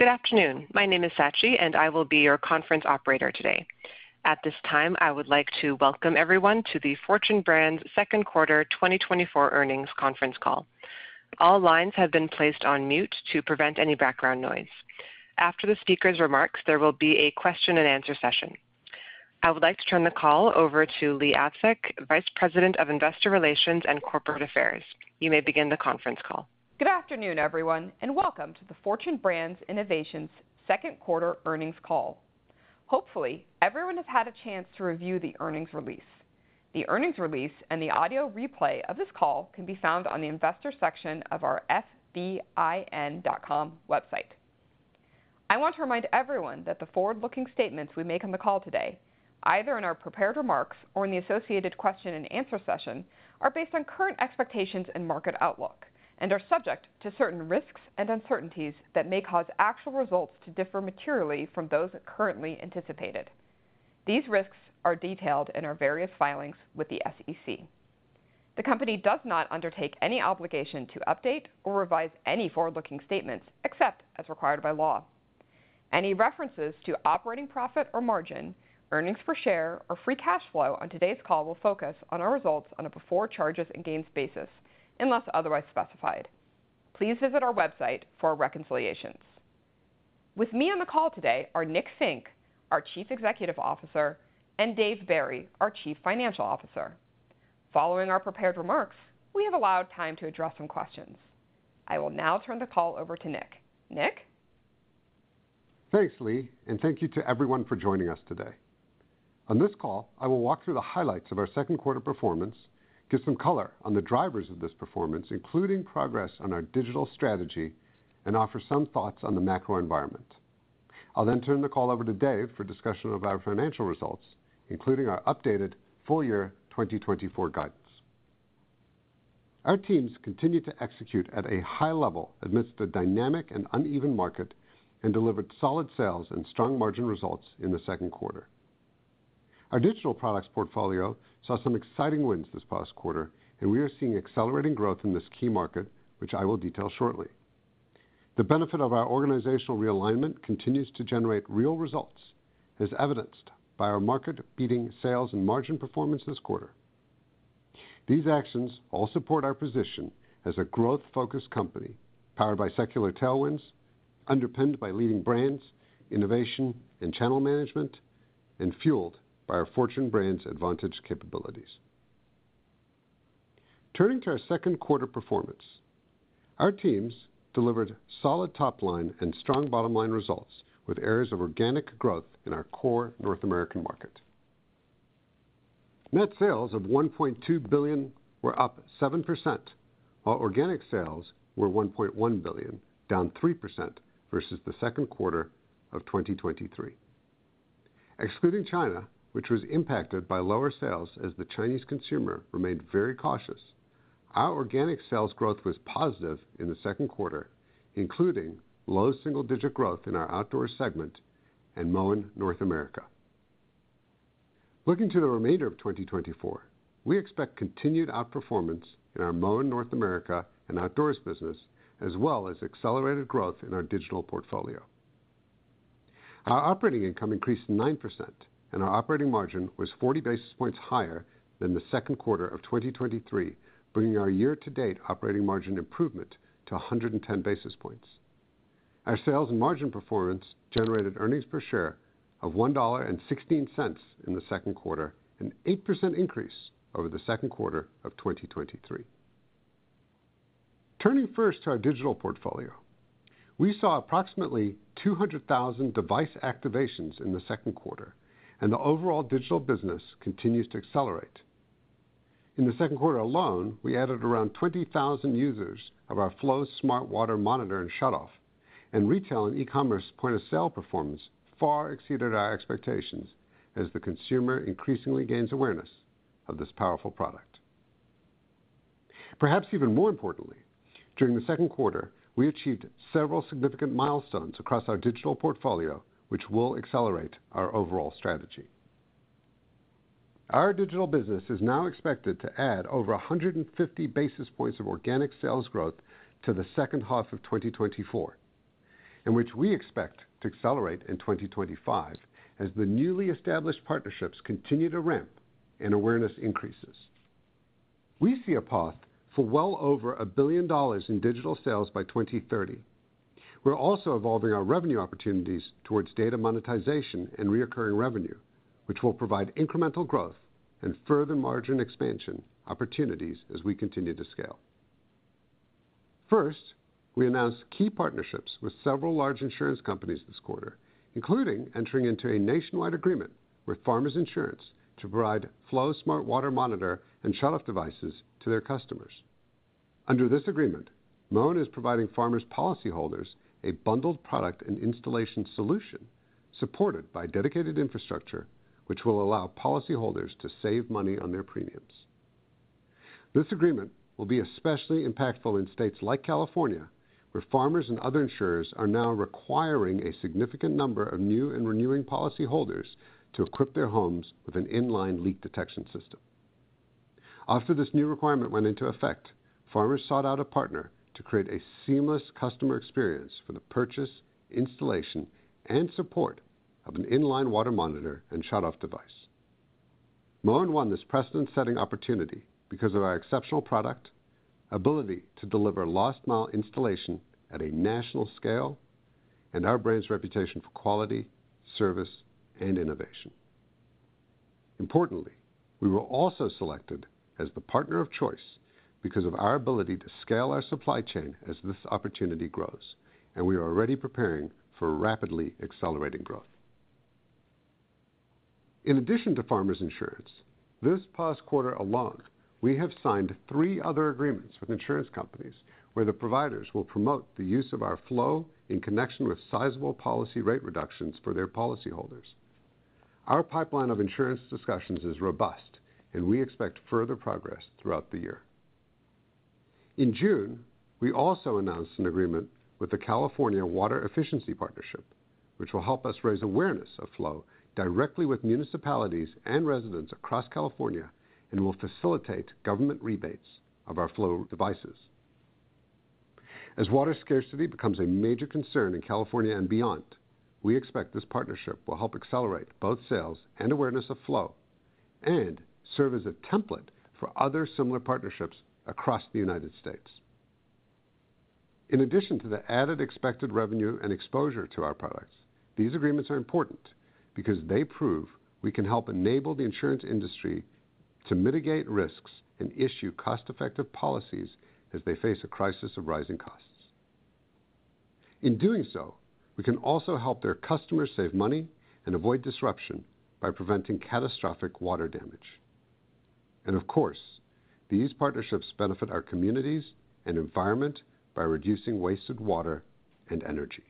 Good afternoon. My name is Sachi, and I will be your conference operator today. At this time, I would like to welcome everyone to the Fortune Brands second quarter 2024 earnings conference call. All lines have been placed on mute to prevent any background noise. After the speaker's remarks, there will be a question-and-answer session. I would like to turn the call over to Leigh Avsec, Vice President of Investor Relations and Corporate Affairs. You may begin the conference call. Good afternoon, everyone, and welcome to the Fortune Brands Innovations second quarter earnings call. Hopefully, everyone has had a chance to review the earnings release. The earnings release and the audio replay of this call can be found on the investor section of our fbin.com website. I want to remind everyone that the forward-looking statements we make on the call today, either in our prepared remarks or in the associated question-and-answer session, are based on current expectations and market outlook, and are subject to certain risks and uncertainties that may cause actual results to differ materially from those currently anticipated. These risks are detailed in our various filings with the SEC. The company does not undertake any obligation to update or revise any forward-looking statements, except as required by law. Any references to operating profit or margin, earnings per share, or free cash flow on today's call will focus on our results on a before charges and gains basis, unless otherwise specified. Please visit our website for reconciliations. With me on the call today are Nick Fink, our Chief Executive Officer, and Dave Barry, our Chief Financial Officer. Following our prepared remarks, we have allowed time to address some questions. I will now turn the call over to Nick. Nick? Thanks, Leigh, and thank you to everyone for joining us today. On this call, I will walk through the highlights of our second quarter performance, give some color on the drivers of this performance, including progress on our digital strategy, and offer some thoughts on the macro environment. I'll then turn the call over to Dave for discussion of our financial results, including our updated full year 2024 guidance. Our teams continued to execute at a high level amidst a dynamic and uneven market and delivered solid sales and strong margin results in the second quarter. Our digital products portfolio saw some exciting wins this past quarter, and we are seeing accelerating growth in this key market, which I will detail shortly. The benefit of our organizational realignment continues to generate real results, as evidenced by our market-beating sales and margin performance this quarter. These actions all support our position as a growth-focused company, powered by secular tailwinds, underpinned by leading brands, innovation and channel management, and fueled by our Fortune Brands Advantage capabilities. Turning to our second quarter performance, our teams delivered solid top line and strong bottom line results, with areas of organic growth in our core North American market. Net sales of $1.2 billion were up 7%, while organic sales were $1.1 billion, down 3% versus the second quarter of 2023. Excluding China, which was impacted by lower sales as the Chinese consumer remained very cautious, our organic sales growth was positive in the second quarter, including low single-digit growth in our outdoor segment and Moen North America. Looking to the remainder of 2024, we expect continued outperformance in our Moen North America and outdoors business, as well as accelerated growth in our digital portfolio. Our operating income increased 9%, and our operating margin was 40 basis points higher than the second quarter of 2023, bringing our year-to-date operating margin improvement to 110 basis points. Our sales and margin performance generated earnings per share of $1.16 in the second quarter, an 8% increase over the second quarter of 2023. Turning first to our digital portfolio, we saw approximately 200,000 device activations in the second quarter, and the overall digital business continues to accelerate. In the second quarter alone, we added around 20,000 users of our Flo smart water monitor and shutoff, and retail and e-commerce point-of-sale performance far exceeded our expectations as the consumer increasingly gains awareness of this powerful product. Perhaps even more importantly, during the second quarter, we achieved several significant milestones across our digital portfolio, which will accelerate our overall strategy. Our digital business is now expected to add over 150 basis points of organic sales growth to the second half of 2024, in which we expect to accelerate in 2025 as the newly established partnerships continue to ramp and awareness increases. We see a path for well over $1 billion in digital sales by 2030. We're also evolving our revenue opportunities towards data monetization and recurring revenue, which will provide incremental growth and further margin expansion opportunities as we continue to scale. First, we announced key partnerships with several large insurance companies this quarter, including entering into a nationwide agreement with Farmers Insurance to provide Flo smart water monitor and shutoff devices to their customers. Under this agreement, Moen is providing Farmers policyholders a bundled product and installation solution supported by dedicated infrastructure, which will allow policyholders to save money on their premiums. This agreement will be especially impactful in states like California, where Farmers and other insurers are now requiring a significant number of new and renewing policyholders to equip their homes with an in-line leak detection system.... After this new requirement went into effect, Farmers Insurance sought out a partner to create a seamless customer experience for the purchase, installation, and support of an in-line water monitor and shutoff device. Moen won this precedent-setting opportunity because of our exceptional product, ability to deliver last-mile installation at a national scale, and our brand's reputation for quality, service, and innovation. Importantly, we were also selected as the partner of choice because of our ability to scale our supply chain as this opportunity grows, and we are already preparing for rapidly accelerating growth. In addition to Farmers Insurance, this past quarter alone, we have signed three other agreements with insurance companies, where the providers will promote the use of our Flo in connection with sizable policy rate reductions for their policyholders. Our pipeline of insurance discussions is robust, and we expect further progress throughout the year. In June, we also announced an agreement with the California Water Efficiency Partnership, which will help us raise awareness of Flo directly with municipalities and residents across California, and will facilitate government rebates of our Flo devices. As water scarcity becomes a major concern in California and beyond, we expect this partnership will help accelerate both sales and awareness of Flo, and serve as a template for other similar partnerships across the United States. In addition to the added expected revenue and exposure to our products, these agreements are important because they prove we can help enable the insurance industry to mitigate risks and issue cost-effective policies as they face a crisis of rising costs. In doing so, we can also help their customers save money and avoid disruption by preventing catastrophic water damage. Of course, these partnerships benefit our communities and environment by reducing wasted water and energy.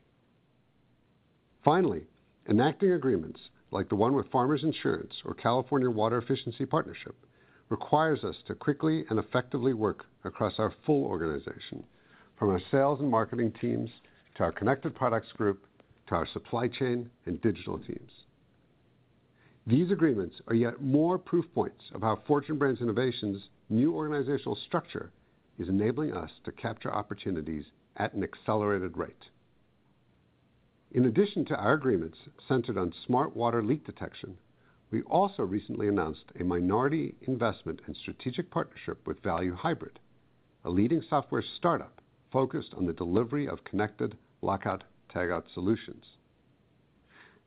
Finally, enacting agreements like the one with Farmers Insurance or California Water Efficiency Partnership, requires us to quickly and effectively work across our full organization, from our sales and marketing teams, to our connected products group, to our supply chain and digital teams. These agreements are yet more proof points of how Fortune Brands Innovations' new organizational structure is enabling us to capture opportunities at an accelerated rate. In addition to our agreements centered on smart water leak detection, we also recently announced a minority investment and strategic partnership with Value Hybrid, a leading software startup focused on the delivery of connected lockout/tagout solutions.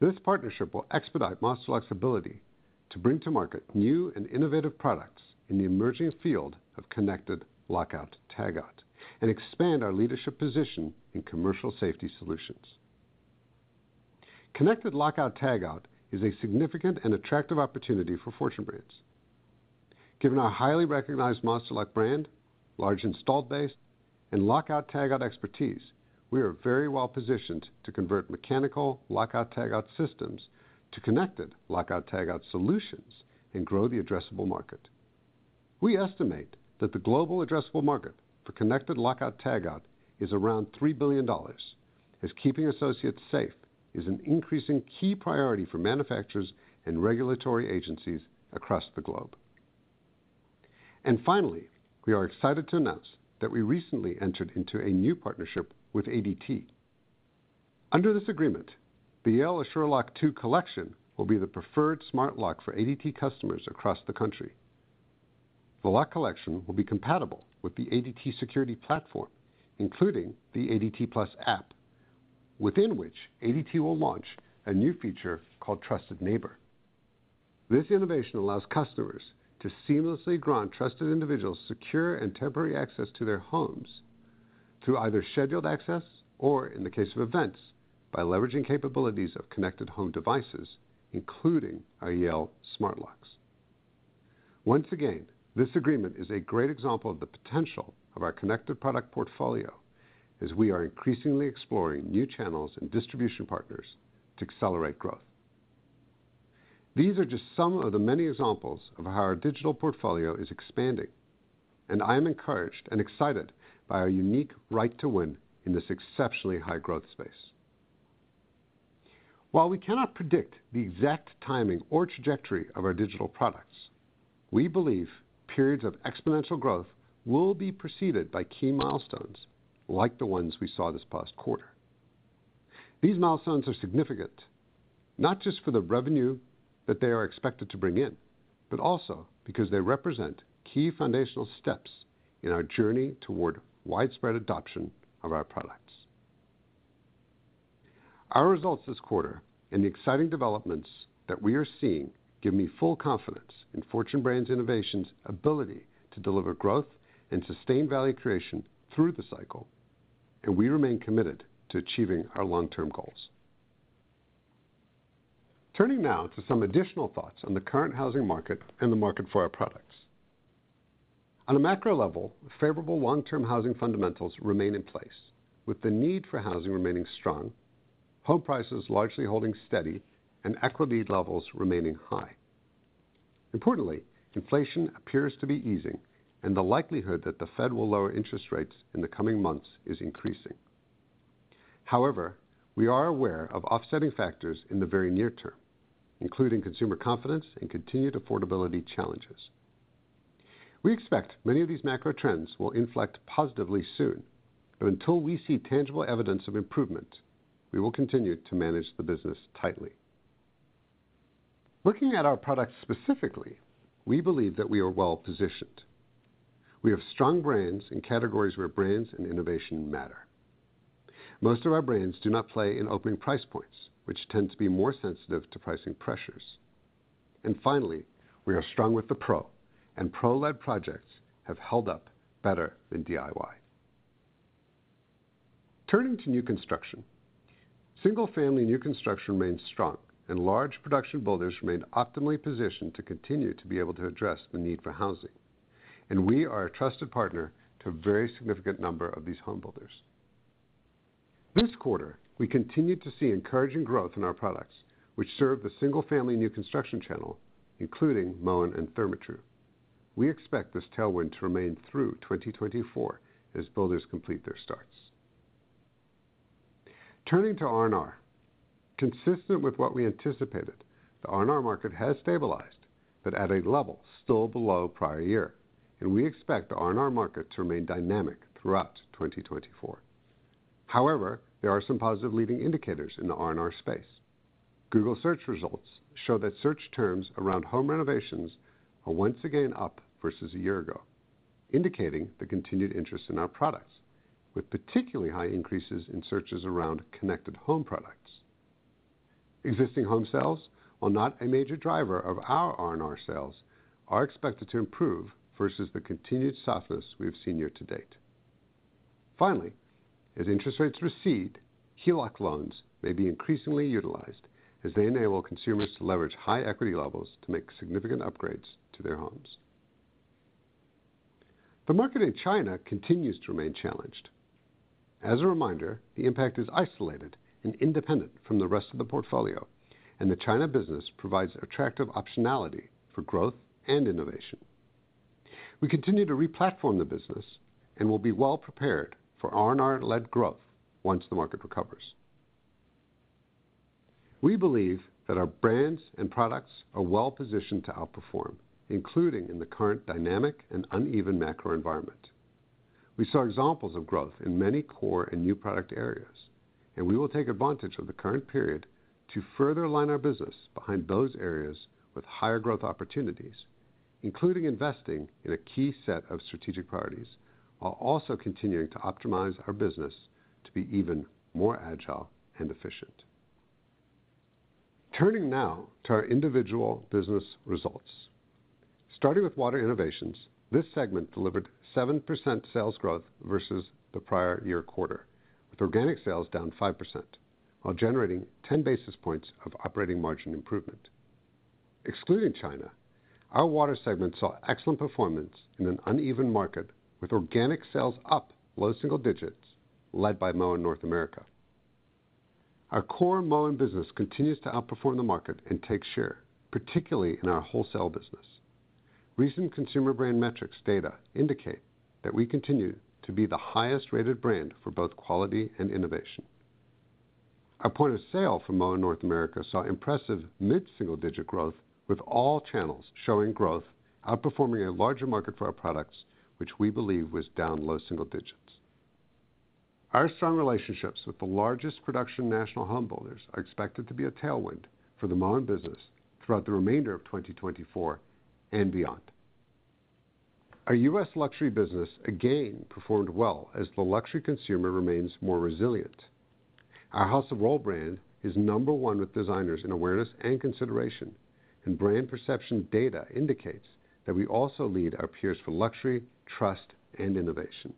This partnership will expedite Master Lock's ability to bring to market new and innovative products in the emerging field of connected lockout/tagout, and expand our leadership position in commercial safety solutions. Connected lockout/tagout is a significant and attractive opportunity for Fortune Brands. Given our highly recognized Master Lock brand, large installed base, and lockout/tagout expertise, we are very well positioned to convert mechanical lockout/tagout systems to connected lockout/tagout solutions and grow the addressable market. We estimate that the global addressable market for connected lockout/tagout is around $3 billion, as keeping associates safe is an increasing key priority for manufacturers and regulatory agencies across the globe. And finally, we are excited to announce that we recently entered into a new partnership with ADT. Under this agreement, the Yale Assure Lock 2 collection will be the preferred smart lock for ADT customers across the country. The lock collection will be compatible with the ADT security platform, including the ADT+ app, within which ADT will launch a new feature called Trusted Neighbor. This innovation allows customers to seamlessly grant trusted individuals secure and temporary access to their homes through either scheduled access or, in the case of events, by leveraging capabilities of connected home devices, including our Yale smart locks. Once again, this agreement is a great example of the potential of our connected product portfolio, as we are increasingly exploring new channels and distribution partners to accelerate growth. These are just some of the many examples of how our digital portfolio is expanding, and I am encouraged and excited by our unique right to win in this exceptionally high growth space. While we cannot predict the exact timing or trajectory of our digital products, we believe periods of exponential growth will be preceded by key milestones like the ones we saw this past quarter. These milestones are significant, not just for the revenue that they are expected to bring in, but also because they represent key foundational steps in our journey toward widespread adoption of our products. Our results this quarter and the exciting developments that we are seeing, give me full confidence in Fortune Brands Innovations' ability to deliver growth and sustain value creation through the cycle, and we remain committed to achieving our long-term goals. Turning now to some additional thoughts on the current housing market and the market for our products. On a macro level, favorable long-term housing fundamentals remain in place, with the need for housing remaining strong, home prices largely holding steady, and equity levels remaining high. Importantly, inflation appears to be easing, and the likelihood that the Fed will lower interest rates in the coming months is increasing... However, we are aware of offsetting factors in the very near term, including consumer confidence and continued affordability challenges. We expect many of these macro trends will inflect positively soon, but until we see tangible evidence of improvement, we will continue to manage the business tightly. Looking at our products specifically, we believe that we are well-positioned. We have strong brands in categories where brands and innovation matter. Most of our brands do not play in opening price points, which tend to be more sensitive to pricing pressures. And finally, we are strong with the pro, and pro-led projects have held up better than DIY. Turning to new construction, single-family new construction remains strong, and large production builders remain optimally positioned to continue to be able to address the need for housing, and we are a trusted partner to a very significant number of these homebuilders. This quarter, we continued to see encouraging growth in our products, which served the single-family new construction channel, including Moen and Therma-Tru. We expect this tailwind to remain through 2024 as builders complete their starts. Turning to R&R, consistent with what we anticipated, the R&R market has stabilized, but at a level still below prior year, and we expect the R&R market to remain dynamic throughout 2024. However, there are some positive leading indicators in the R&R space. Google search results show that search terms around home renovations are once again up versus a year ago, indicating the continued interest in our products, with particularly high increases in searches around connected home products. Existing home sales, while not a major driver of our R&R sales, are expected to improve versus the continued softness we have seen year to date. Finally, as interest rates recede, HELOC loans may be increasingly utilized as they enable consumers to leverage high equity levels to make significant upgrades to their homes. The market in China continues to remain challenged. As a reminder, the impact is isolated and independent from the rest of the portfolio, and the China business provides attractive optionality for growth and innovation. We continue to re-platform the business and will be well prepared for R&R-led growth once the market recovers. We believe that our brands and products are well positioned to outperform, including in the current dynamic and uneven macro environment. We saw examples of growth in many core and new product areas, and we will take advantage of the current period to further align our business behind those areas with higher growth opportunities, including investing in a key set of strategic priorities, while also continuing to optimize our business to be even more agile and efficient. Turning now to our individual business results. Starting with Water Innovations, this segment delivered 7% sales growth versus the prior year quarter, with organic sales down 5%, while generating 10 basis points of operating margin improvement. Excluding China, our water segment saw excellent performance in an uneven market, with organic sales up low single digits, led by Moen North America. Our core Moen business continues to outperform the market and take share, particularly in our wholesale business. Recent consumer brand metrics data indicate that we continue to be the highest-rated brand for both quality and innovation. Our point of sale for Moen North America saw impressive mid-single-digit growth, with all channels showing growth outperforming a larger market for our products, which we believe was down low single digits. Our strong relationships with the largest production national homebuilders are expected to be a tailwind for the Moen business throughout the remainder of 2024 and beyond. Our U.S. luxury business again performed well as the luxury consumer remains more resilient. Our House of Rohl brand is number one with designers in awareness and consideration, and brand perception data indicates that we also lead our peers for luxury, trust, and innovation.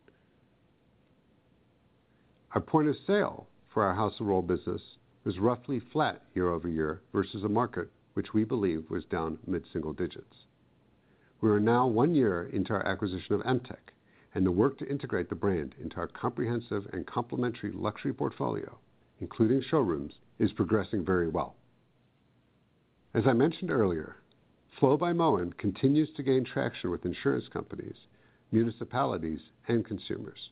Our point of sale for our House of Rohl business was roughly flat year-over-year versus a market which we believe was down mid-single digits. We are now one year into our acquisition of Emtek, and the work to integrate the brand into our comprehensive and complementary luxury portfolio, including showrooms, is progressing very well. As I mentioned earlier, Flo by Moen continues to gain traction with insurance companies, municipalities, and consumers.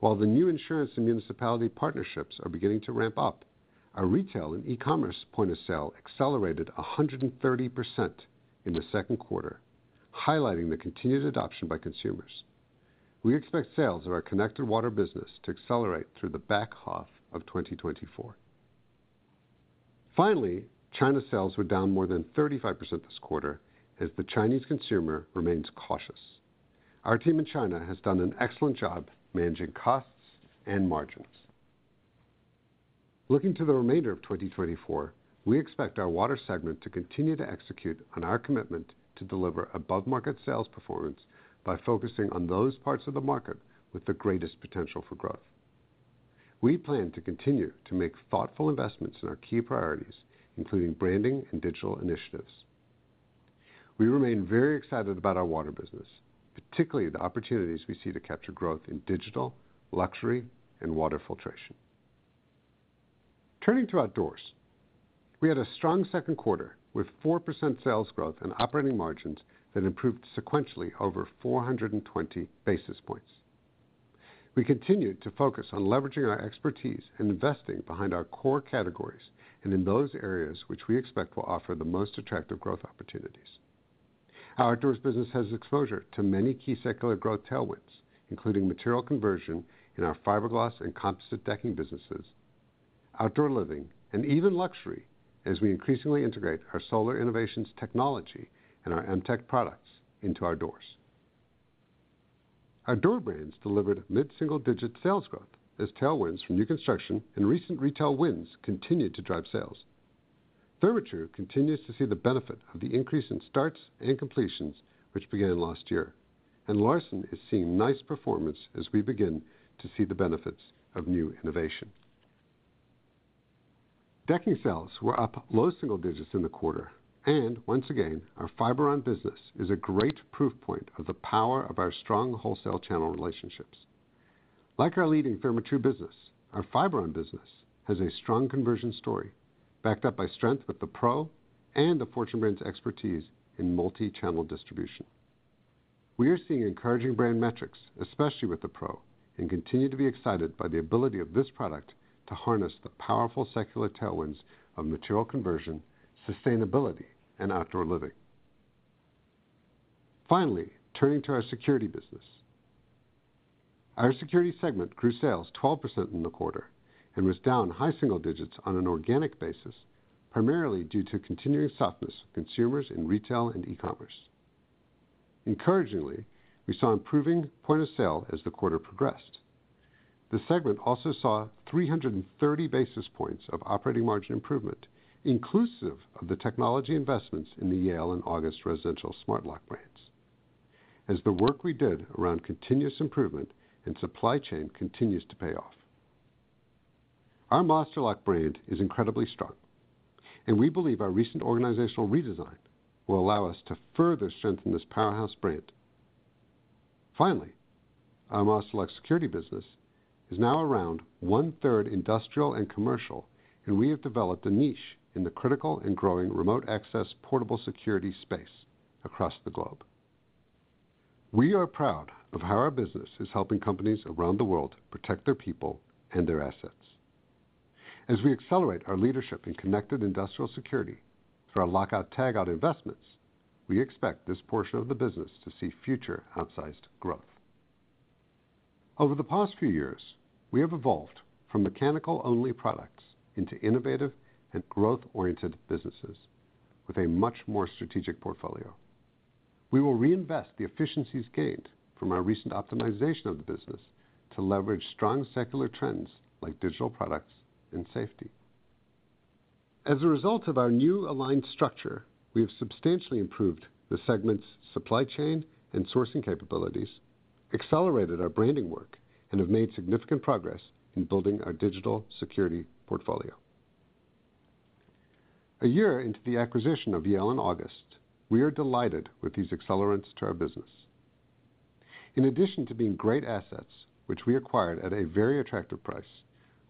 While the new insurance and municipality partnerships are beginning to ramp up, our retail and e-commerce point of sale accelerated 130% in the second quarter, highlighting the continued adoption by consumers. We expect sales of our connected water business to accelerate through the back half of 2024. Finally, China sales were down more than 35% this quarter as the Chinese consumer remains cautious. Our team in China has done an excellent job managing costs and margins. Looking to the remainder of 2024, we expect our water segment to continue to execute on our commitment to deliver above-market sales performance by focusing on those parts of the market with the greatest potential for growth. We plan to continue to make thoughtful investments in our key priorities, including branding and digital initiatives. We remain very excited about our water business, particularly the opportunities we see to capture growth in digital, luxury, and water filtration.... Turning to outdoors. We had a strong second quarter with 4% sales growth and operating margins that improved sequentially over 420 basis points. We continued to focus on leveraging our expertise and investing behind our core categories, and in those areas which we expect will offer the most attractive growth opportunities. Our outdoors business has exposure to many key secular growth tailwinds, including material conversion in our fiberglass and composite decking businesses, outdoor living, and even luxury, as we increasingly integrate our Solar Innovations technology and our Emtek products into our doors. Our door brands delivered mid-single-digit sales growth, as tailwinds from new construction and recent retail wins continued to drive sales. Therma-Tru continues to see the benefit of the increase in starts and completions, which began last year, and Larson is seeing nice performance as we begin to see the benefits of new innovation. Decking sales were up low single digits in the quarter, and once again, our Fiberon business is a great proof point of the power of our strong wholesale channel relationships. Like our leading Therma-Tru business, our Fiberon business has a strong conversion story, backed up by strength with the Pro and the Fortune Brands expertise in multi-channel distribution. We are seeing encouraging brand metrics, especially with the Pro, and continue to be excited by the ability of this product to harness the powerful secular tailwinds of material conversion, sustainability, and outdoor living. Finally, turning to our security business. Our security segment grew sales 12% in the quarter and was down high single digits on an organic basis, primarily due to continuing softness of consumers in retail and e-commerce. Encouragingly, we saw improving point of sale as the quarter progressed. The segment also saw 330 basis points of operating margin improvement, inclusive of the technology investments in the Yale and August residential smart lock brands. As the work we did around continuous improvement and supply chain continues to pay off. Our Master Lock brand is incredibly strong, and we believe our recent organizational redesign will allow us to further strengthen this powerhouse brand. Finally, our Master Lock security business is now around one-third industrial and commercial, and we have developed a niche in the critical and growing remote access, portable security space across the globe. We are proud of how our business is helping companies around the world protect their people and their assets. As we accelerate our leadership in connected industrial security through our lockout/tagout investments, we expect this portion of the business to see future outsized growth. Over the past few years, we have evolved from mechanical-only products into innovative and growth-oriented businesses with a much more strategic portfolio. We will reinvest the efficiencies gained from our recent optimization of the business to leverage strong secular trends like digital products and safety. As a result of our new aligned structure, we have substantially improved the segment's supply chain and sourcing capabilities, accelerated our branding work, and have made significant progress in building our digital security portfolio. A year into the acquisition of Yale and August, we are delighted with these accelerants to our business. In addition to being great assets, which we acquired at a very attractive price,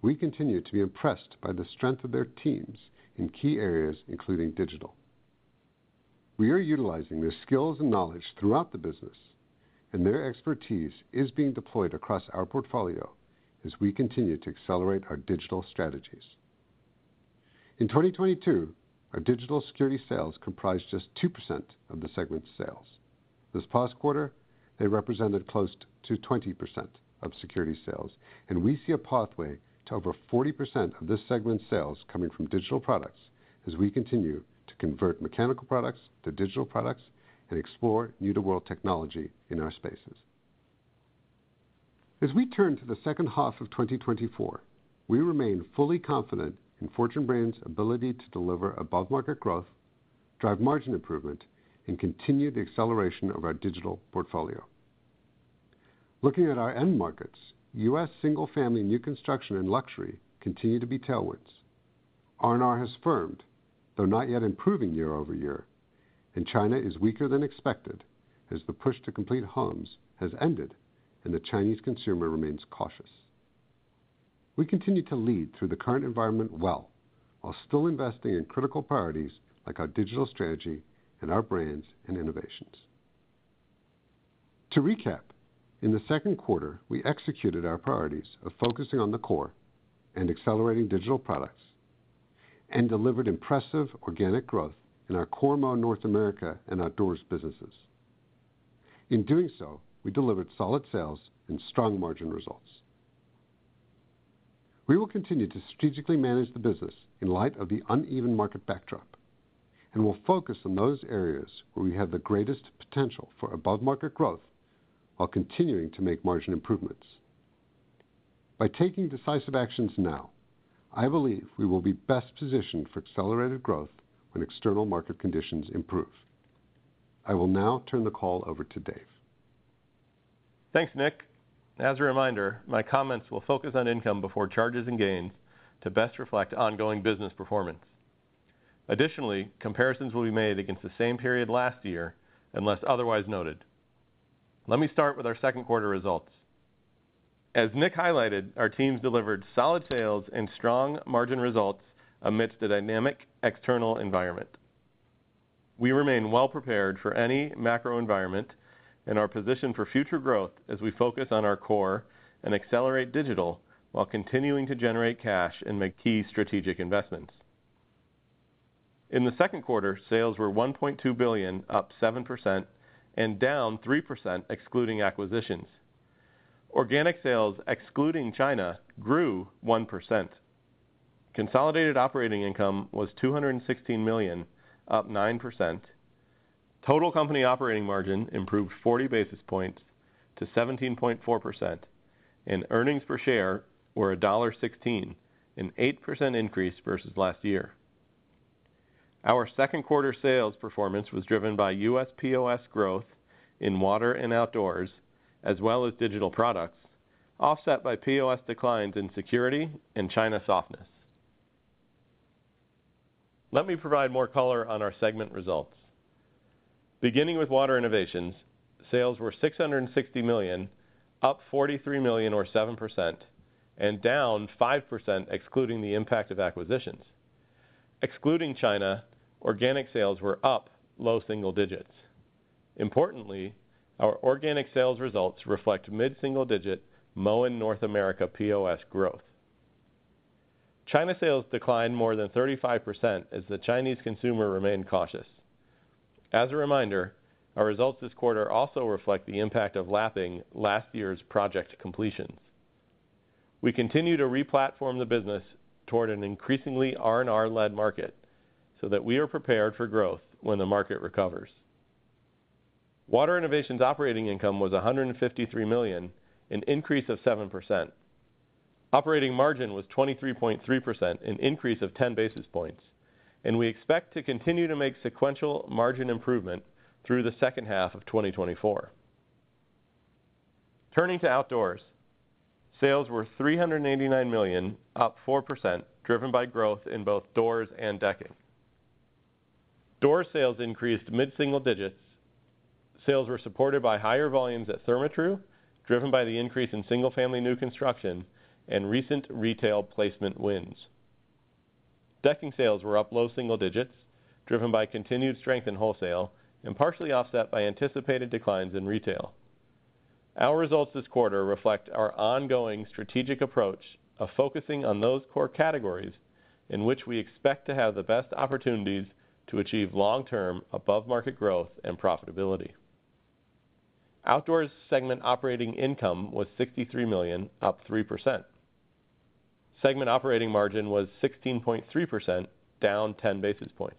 we continue to be impressed by the strength of their teams in key areas, including digital. We are utilizing their skills and knowledge throughout the business, and their expertise is being deployed across our portfolio as we continue to accelerate our digital strategies. In 2022, our digital security sales comprised just 2% of the segment's sales. This past quarter, they represented close to 20% of security sales, and we see a pathway to over 40% of this segment's sales coming from digital products as we continue to convert mechanical products to digital products and explore new-to-world technology in our spaces. As we turn to the second half of 2024, we remain fully confident in Fortune Brands' ability to deliver above-market growth, drive margin improvement, and continue the acceleration of our digital portfolio. Looking at our end markets, U.S. single-family new construction and luxury continue to be tailwinds. R&R has firmed, though not yet improving year-over-year, and China is weaker than expected as the push to complete homes has ended and the Chinese consumer remains cautious. We continue to lead through the current environment well, while still investing in critical priorities like our digital strategy and our brands and innovations. To recap, in the second quarter, we executed our priorities of focusing on the core and accelerating digital products, and delivered impressive organic growth in our Core Moen, North America, and outdoors businesses. In doing so, we delivered solid sales and strong margin results. We will continue to strategically manage the business in light of the uneven market backdrop, and we'll focus on those areas where we have the greatest potential for above-market growth while continuing to make margin improvements. By taking decisive actions now, I believe we will be best positioned for accelerated growth when external market conditions improve. I will now turn the call over to Dave. Thanks, Nick. As a reminder, my comments will focus on income before charges and gains to best reflect ongoing business performance. Additionally, comparisons will be made against the same period last year, unless otherwise noted... Let me start with our second quarter results. As Nick highlighted, our teams delivered solid sales and strong margin results amidst a dynamic external environment. We remain well-prepared for any macro environment and are positioned for future growth as we focus on our core and accelerate digital while continuing to generate cash and make key strategic investments. In the second quarter, sales were $1.2 billion, up 7%, and down 3% excluding acquisitions. Organic sales, excluding China, grew 1%. Consolidated operating income was $216 million, up 9%. Total company operating margin improved 40 basis points to 17.4%, and earnings per share were $1.16, an 8% increase versus last year. Our second quarter sales performance was driven by U.S. POS growth in Water and Outdoors, as well as digital products, offset by POS declines in Security and China softness. Let me provide more color on our segment results. Beginning with Water Innovations, sales were $660 million, up $43 million or 7%, and down 5% excluding the impact of acquisitions. Excluding China, organic sales were up low single digits. Importantly, our organic sales results reflect mid-single-digit Moen North America POS growth. China sales declined more than 35% as the Chinese consumer remained cautious. As a reminder, our results this quarter also reflect the impact of lapping last year's project completions. We continue to re-platform the business toward an increasingly R&R-led market so that we are prepared for growth when the market recovers. Water Innovations operating income was $153 million, an increase of 7%. Operating margin was 23.3%, an increase of 10 basis points, and we expect to continue to make sequential margin improvement through the second half of 2024. Turning to Outdoors, sales were $389 million, up 4%, driven by growth in both doors and decking. Door sales increased mid-single digits. Sales were supported by higher volumes at Therma-Tru, driven by the increase in single-family new construction and recent retail placement wins. Decking sales were up low single digits, driven by continued strength in wholesale and partially offset by anticipated declines in retail. Our results this quarter reflect our ongoing strategic approach of focusing on those core categories in which we expect to have the best opportunities to achieve long-term above-market growth and profitability. Outdoors segment operating income was $63 million, up 3%. Segment operating margin was 16.3%, down 10 basis points.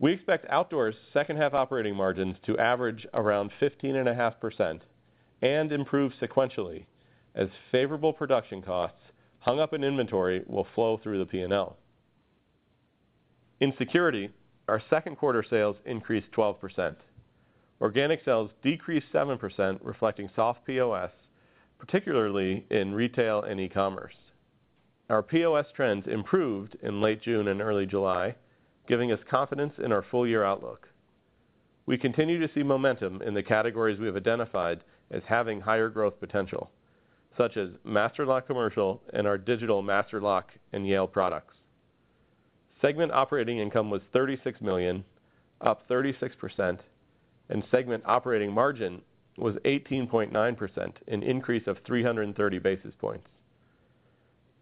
We expect Outdoors' second half operating margins to average around 15.5% and improve sequentially as favorable production costs hung up in inventory will flow through the P&L. In Security, our second quarter sales increased 12%. Organic sales decreased 7%, reflecting soft POS, particularly in retail and e-commerce. Our POS trends improved in late June and early July, giving us confidence in our full year outlook. We continue to see momentum in the categories we have identified as having higher growth potential, such as Master Lock commercial and our digital Master Lock and Yale products. Segment operating income was $36 million, up 36%, and segment operating margin was 18.9%, an increase of 330 basis points.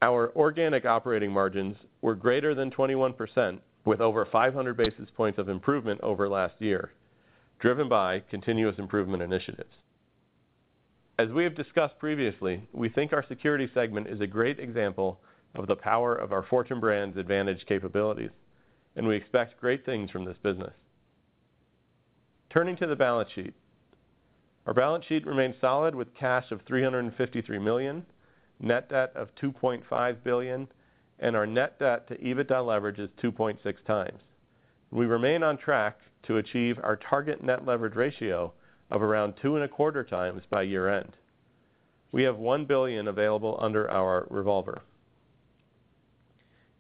Our organic operating margins were greater than 21%, with over 500 basis points of improvement over last year, driven by continuous improvement initiatives. As we have discussed previously, we think our Security segment is a great example of the power of our Fortune Brands' advantage capabilities, and we expect great things from this business. Turning to the balance sheet. Our balance sheet remains solid, with cash of $353 million, net debt of $2.5 billion, and our net debt to EBITDA leverage is 2.6 times. We remain on track to achieve our target net leverage ratio of around 2.25 times by year-end. We have $1 billion available under our revolver.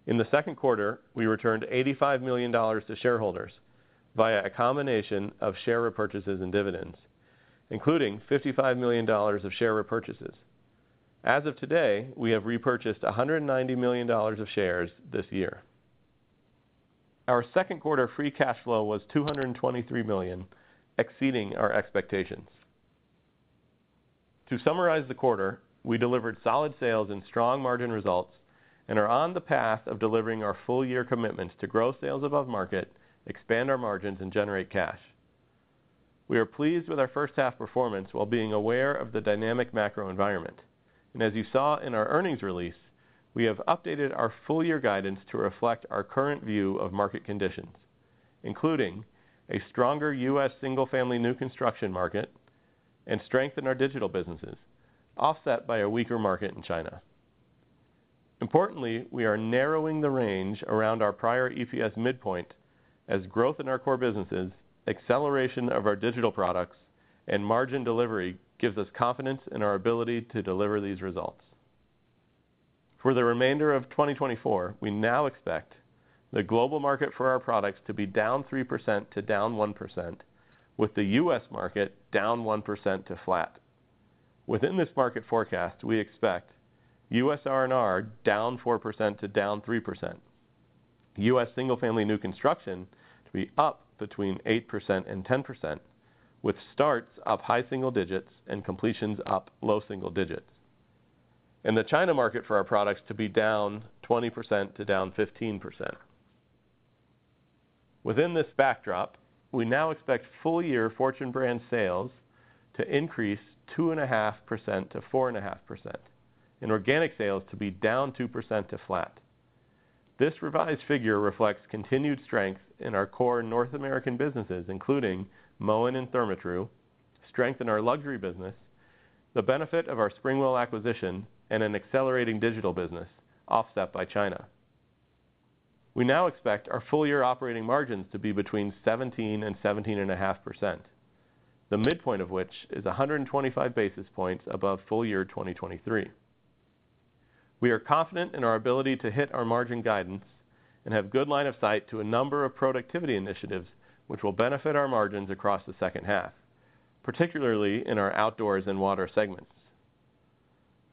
In the second quarter, we returned $85 million to shareholders via a combination of share repurchases and dividends, including $55 million of share repurchases. As of today, we have repurchased $190 million of shares this year. Our second quarter free cash flow was $223 million, exceeding our expectations. To summarize the quarter, we delivered solid sales and strong margin results and are on the path of delivering our full-year commitments to grow sales above market, expand our margins, and generate cash. We are pleased with our first half performance while being aware of the dynamic macro environment. As you saw in our earnings release, we have updated our full year guidance to reflect our current view of market conditions, including a stronger U.S. single-family new construction market and strength in our digital businesses, offset by a weaker market in China. Importantly, we are narrowing the range around our prior EPS midpoint as growth in our core businesses, acceleration of our digital products, and margin delivery gives us confidence in our ability to deliver these results. For the remainder of 2024, we now expect the global market for our products to be down 3% to down 1%, with the U.S. market down 1% to flat. Within this market forecast, we expect U.S. R&R down 4% to down 3%. U.S. single-family new construction to be up between 8% and 10%, with starts up high single digits and completions up low single digits. The China market for our products to be down 20% to down 15%. Within this backdrop, we now expect full-year Fortune Brands sales to increase 2.5% to 4.5%, and organic sales to be down 2% to flat. This revised figure reflects continued strength in our core North American businesses, including Moen and Therma-Tru, strength in our luxury business, the benefit of our SpringWell acquisition, and an accelerating digital business offset by China. We now expect our full-year operating margins to be between 17% and 17.5%, the midpoint of which is 125 basis points above full-year 2023. We are confident in our ability to hit our margin guidance and have good line of sight to a number of productivity initiatives, which will benefit our margins across the second half, particularly in our outdoors and water segments.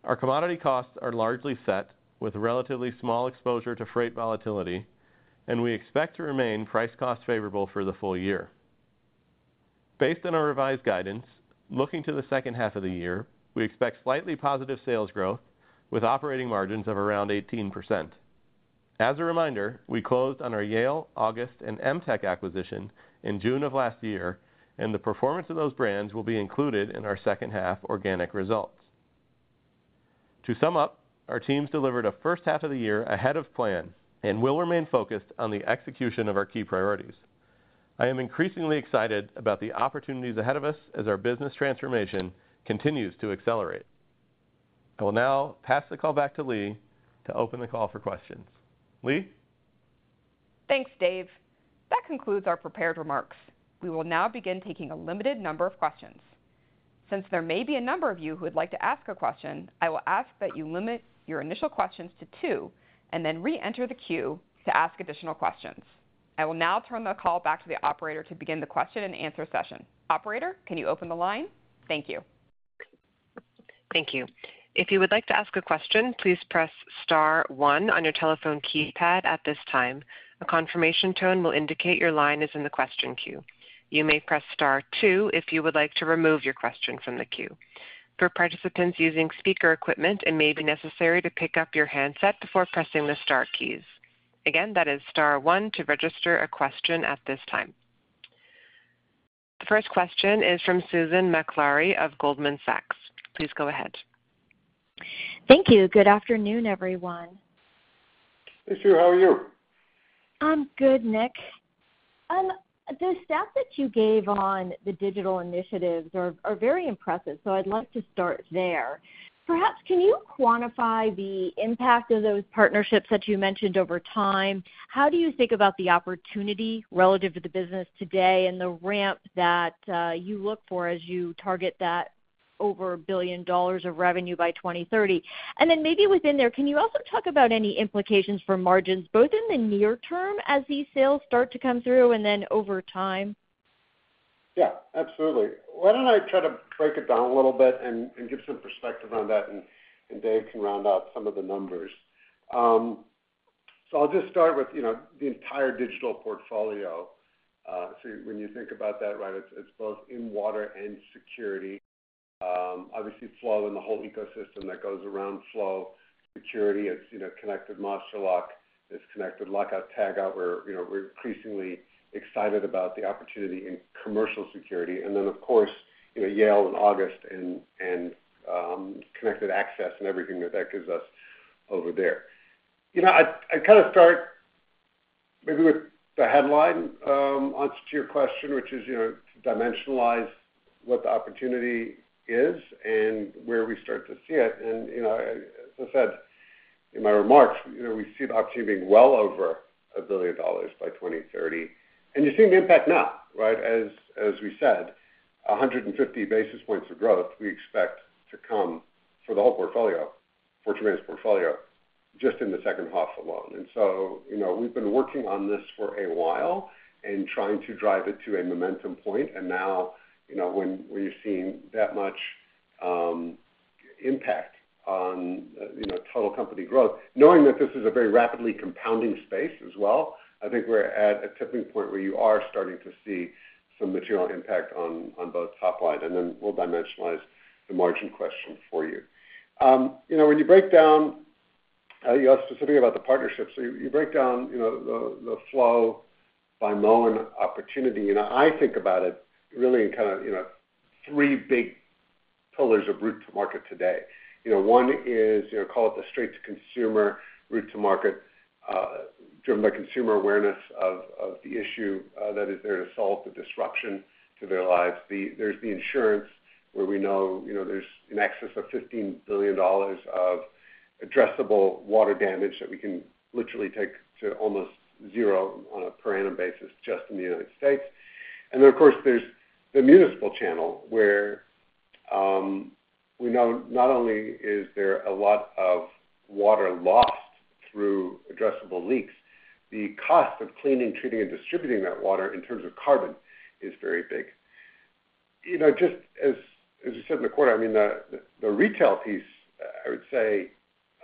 Our commodity costs are largely set with relatively small exposure to freight volatility, and we expect to remain price cost favorable for the full year. Based on our revised guidance, looking to the second half of the year, we expect slightly positive sales growth with operating margins of around 18%. As a reminder, we closed on our Yale, August, and Emtek acquisition in June of last year, and the performance of those brands will be included in our second half organic results. To sum up, our teams delivered a first half of the year ahead of plan and will remain focused on the execution of our key priorities. I am increasingly excited about the opportunities ahead of us as our business transformation continues to accelerate. I will now pass the call back to Lee to open the call for questions. Lee? Thanks, Dave. That concludes our prepared remarks. We will now begin taking a limited number of questions. Since there may be a number of you who would like to ask a question, I will ask that you limit your initial questions to two, and then reenter the queue to ask additional questions. I will now turn the call back to the operator to begin the question and answer session. Operator, can you open the line? Thank you. Thank you. If you would like to ask a question, please press star one on your telephone keypad at this time. A confirmation tone will indicate your line is in the question queue. You may press star two if you would like to remove your question from the queue. For participants using speaker equipment, it may be necessary to pick up your handset before pressing the star keys. Again, that is star one to register a question at this time. The first question is from Susan Maklari of Goldman Sachs. Please go ahead. Thank you. Good afternoon, everyone. Hey, Sue, how are you? I'm good, Nick. The stats that you gave on the digital initiatives are, are very impressive, so I'd love to start there. Perhaps, can you quantify the impact of those partnerships that you mentioned over time? How do you think about the opportunity relative to the business today and the ramp that you look for as you target that over $1 billion of revenue by 2030? And then maybe within there, can you also talk about any implications for margins, both in the near term as these sales start to come through, and then over time? Yeah, absolutely. Why don't I try to break it down a little bit and give some perspective on that, and Dave can round out some of the numbers. So I'll just start with, you know, the entire digital portfolio. So when you think about that, right, it's both in water and security. Obviously, Flo and the whole ecosystem that goes around Flo. Security, it's, you know, connected Master Lock, it's connected lockout/tagout, where, you know, we're increasingly excited about the opportunity in commercial security. And then, of course, you know, Yale and August and connected access and everything that that gives us over there. You know, I'd kind of start maybe with the headline onto to your question, which is, you know, to dimensionalize what the opportunity is and where we start to see it. You know, as I said in my remarks, you know, we see the opportunity being well over $1 billion by 2030. You're seeing the impact now, right? As we said, 150 basis points of growth we expect to come for the whole portfolio, Fortune Brands portfolio, just in the second half alone. So, you know, we've been working on this for a while and trying to drive it to a momentum point. Now, you know, when we're seeing that much, impact on, you know, total company growth, knowing that this is a very rapidly compounding space as well, I think we're at a tipping point where you are starting to see some material impact on both top line, and then we'll dimensionalize the margin question for you. You know, when you break down, you asked specifically about the partnerships, so you break down, you know, the, the Flo by Moen opportunity. You know, I think about it really in kind of, you know, three big pillars of route to market today. You know, one is, you know, call it the straight to consumer route to market, driven by consumer awareness of, of the issue, that is there to solve the disruption to their lives. There's the insurance, where we know, you know, there's in excess of $15 billion of addressable water damage that we can literally take to almost zero on a per annum basis, just in the United States. And then, of course, there's the municipal channel, where-... We know not only is there a lot of water lost through addressable leaks, the cost of cleaning, treating, and distributing that water in terms of carbon is very big. You know, just as you said in the quarter, I mean, the retail piece, I would say,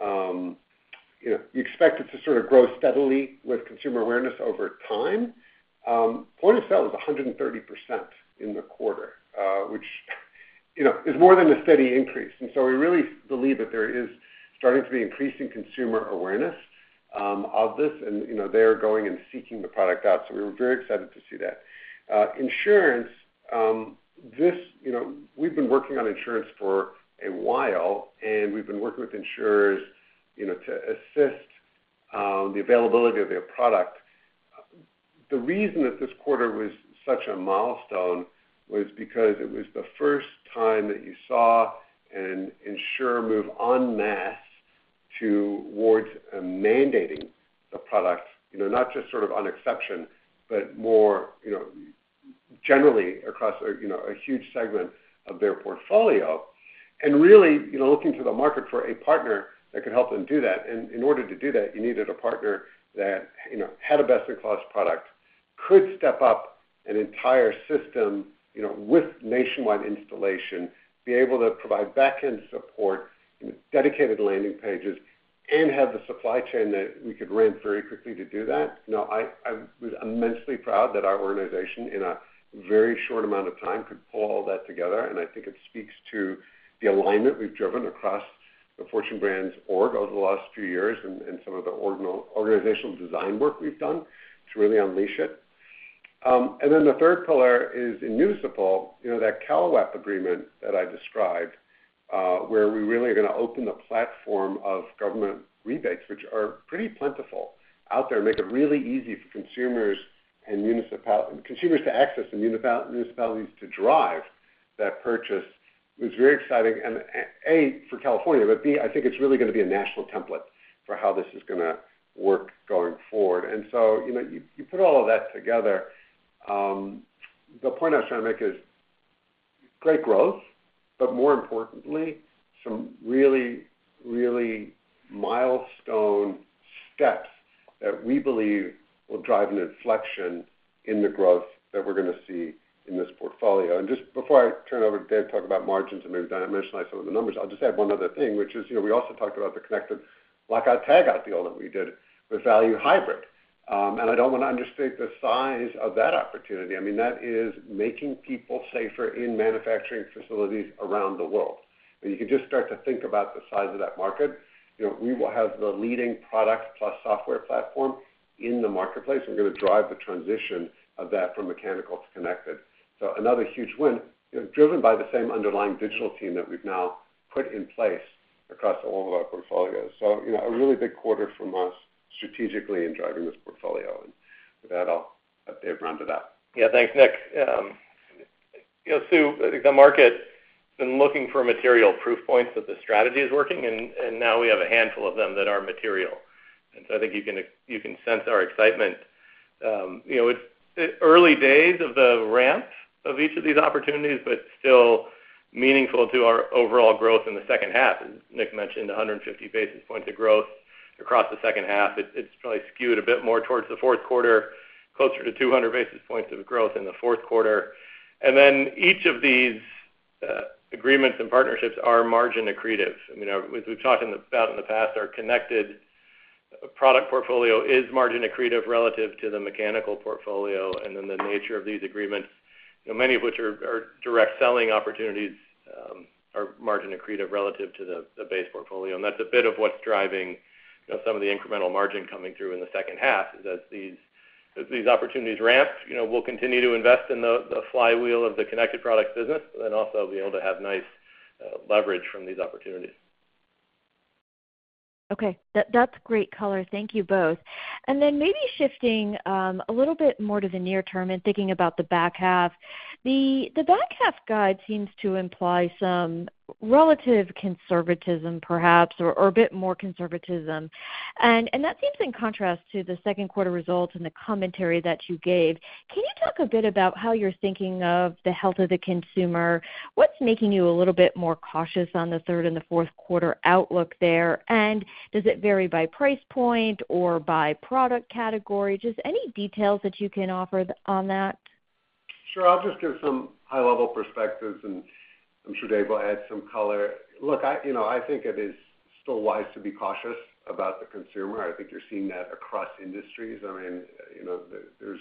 you know, we expect it to sort of grow steadily with consumer awareness over time. Point of Sale is 130% in the quarter, which, you know, is more than a steady increase. And so we really believe that there is starting to be increasing consumer awareness of this, and, you know, they're going and seeking the product out. So we were very excited to see that. Insurance, this, you know, we've been working on insurance for a while, and we've been working with insurers, you know, to assist the availability of their product. The reason that this quarter was such a milestone was because it was the first time that you saw an insurer move en masse towards mandating the product, you know, not just sort of on exception, but more, you know, generally across a, you know, a huge segment of their portfolio. And really, you know, looking to the market for a partner that could help them do that. In order to do that, you needed a partner that, you know, had a best-in-class product, could step up an entire system, you know, with nationwide installation, be able to provide backend support, and dedicated landing pages, and have the supply chain that we could ramp very quickly to do that. Now, I, I was immensely proud that our organization, in a very short amount of time, could pull all that together, and I think it speaks to the alignment we've driven across the Fortune Brands org over the last few years and some of the organizational design work we've done to really unleash it. And then the third pillar is in municipal, you know, that CalWEP agreement that I described, where we really are gonna open the platform of government rebates, which are pretty plentiful out there, make it really easy for consumers and municipalities to access and municipalities to drive that purchase. It was very exciting, and a, for California, but, I think it's really gonna be a national template for how this is gonna work going forward. And so, you know, you put all of that together, the point I'm trying to make is great growth, but more importantly, some really, really milestone steps that we believe will drive an inflection in the growth that we're gonna see in this portfolio. Just before I turn it over to Dave to talk about margins, and maybe dimensionalize some of the numbers, I'll just add one other thing, which is, you know, we also talked about the connected lockout/tagout deal that we did with Value Hybrid. I don't want to understate the size of that opportunity. I mean, that is making people safer in manufacturing facilities around the world. You can just start to think about the size of that market. You know, we will have the leading product plus software platform in the marketplace, and we're gonna drive the transition of that from mechanical to connected. Another huge win, you know, driven by the same underlying digital team that we've now put in place across all of our portfolios. You know, a really big quarter from us strategically in driving this portfolio. With that, I'll have Dave round it up. Yeah, thanks, Nick. You know, Sue, I think the market has been looking for material proof points that the strategy is working, and, and now we have a handful of them that are material. And so I think you can, you can sense our excitement. You know, it's early days of the ramp of each of these opportunities, but still meaningful to our overall growth in the second half. As Nick mentioned, 150 basis points of growth across the second half. It's probably skewed a bit more towards the fourth quarter, closer to 200 basis points of growth in the fourth quarter. And then each of these agreements and partnerships are margin accretive. I mean, as we've talked about in the past, our connected product portfolio is margin accretive relative to the mechanical portfolio. And then the nature of these agreements, you know, many of which are direct selling opportunities, are margin accretive relative to the base portfolio. And that's a bit of what's driving, you know, some of the incremental margin coming through in the second half, is as these opportunities ramp, you know, we'll continue to invest in the flywheel of the connected products business, but then also be able to have nice leverage from these opportunities. Okay. That's great color. Thank you both. And then maybe shifting a little bit more to the near term and thinking about the back half. The back half guide seems to imply some relative conservatism, perhaps, or a bit more conservatism. And that seems in contrast to the second quarter results and the commentary that you gave. Can you talk a bit about how you're thinking of the health of the consumer? What's making you a little bit more cautious on the third and the fourth quarter outlook there? And does it vary by price point or by product category? Just any details that you can offer on that. Sure. I'll just give some high-level perspectives, and I'm sure Dave will add some color. Look, you know, I think it is still wise to be cautious about the consumer. I think you're seeing that across industries. I mean, you know, there's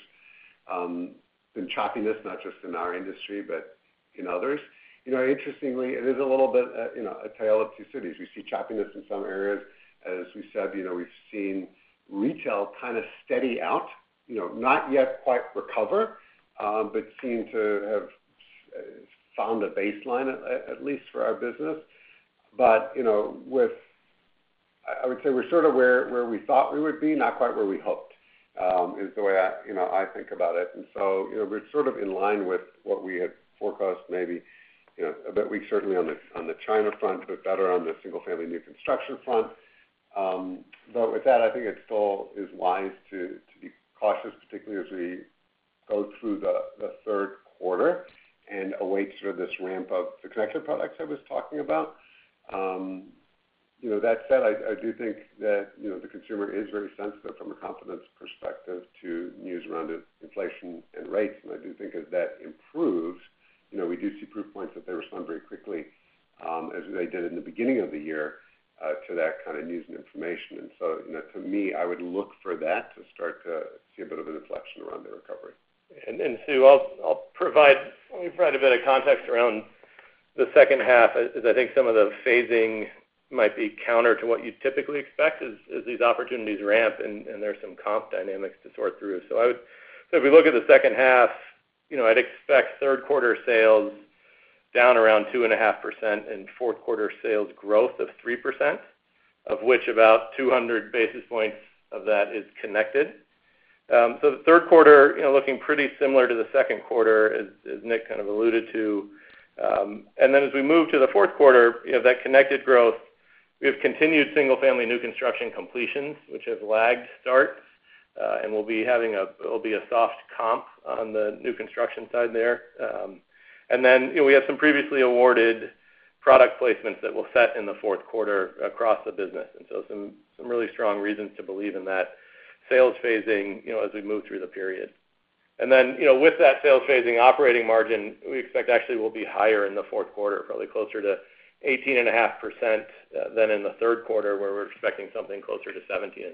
been choppiness, not just in our industry, but in others. You know, interestingly, it is a little bit, you know, a tale of two cities. We see choppiness in some areas. As we said, you know, we've seen retail kind of steady out, you know, not yet quite recover, but seem to have found a baseline at least for our business. But, you know, I would say we're sort of where we thought we would be, not quite where we hoped, is the way I, you know, I think about it. And so, you know, we're sort of in line with what we had forecast, maybe, you know, a bit weak, certainly on the China front, but better on the single-family new construction front. But with that, I think it still is wise to be cautious, particularly as we-... go through the third quarter and await sort of this ramp of the connected products I was talking about. You know, that said, I do think that, you know, the consumer is very sensitive from a confidence perspective to news around inflation and rates. And I do think as that improves, you know, we do see proof points that they respond very quickly, as they did in the beginning of the year, to that kind of news and information. And so, you know, to me, I would look for that to start to see a bit of an inflection around the recovery. And Sue, I'll provide, let me provide a bit of context around the second half, as I think some of the phasing might be counter to what you'd typically expect as these opportunities ramp, and there are some comp dynamics to sort through. So if we look at the second half, you know, I'd expect third quarter sales down around 2.5%, and fourth quarter sales growth of 3%, of which about 200 basis points of that is connected. So the third quarter, you know, looking pretty similar to the second quarter, as Nick kind of alluded to. And then as we move to the fourth quarter, you know, that connected growth, we have continued single-family new construction completions, which have lagged starts, and we'll be having - it'll be a soft comp on the new construction side there. And then, you know, we have some previously awarded product placements that will set in the fourth quarter across the business, and so some, some really strong reasons to believe in that sales phasing, you know, as we move through the period. And then, you know, with that sales phasing operating margin, we expect actually will be higher in the fourth quarter, probably closer to 18.5%, than in the third quarter, where we're expecting something closer to 17.5%.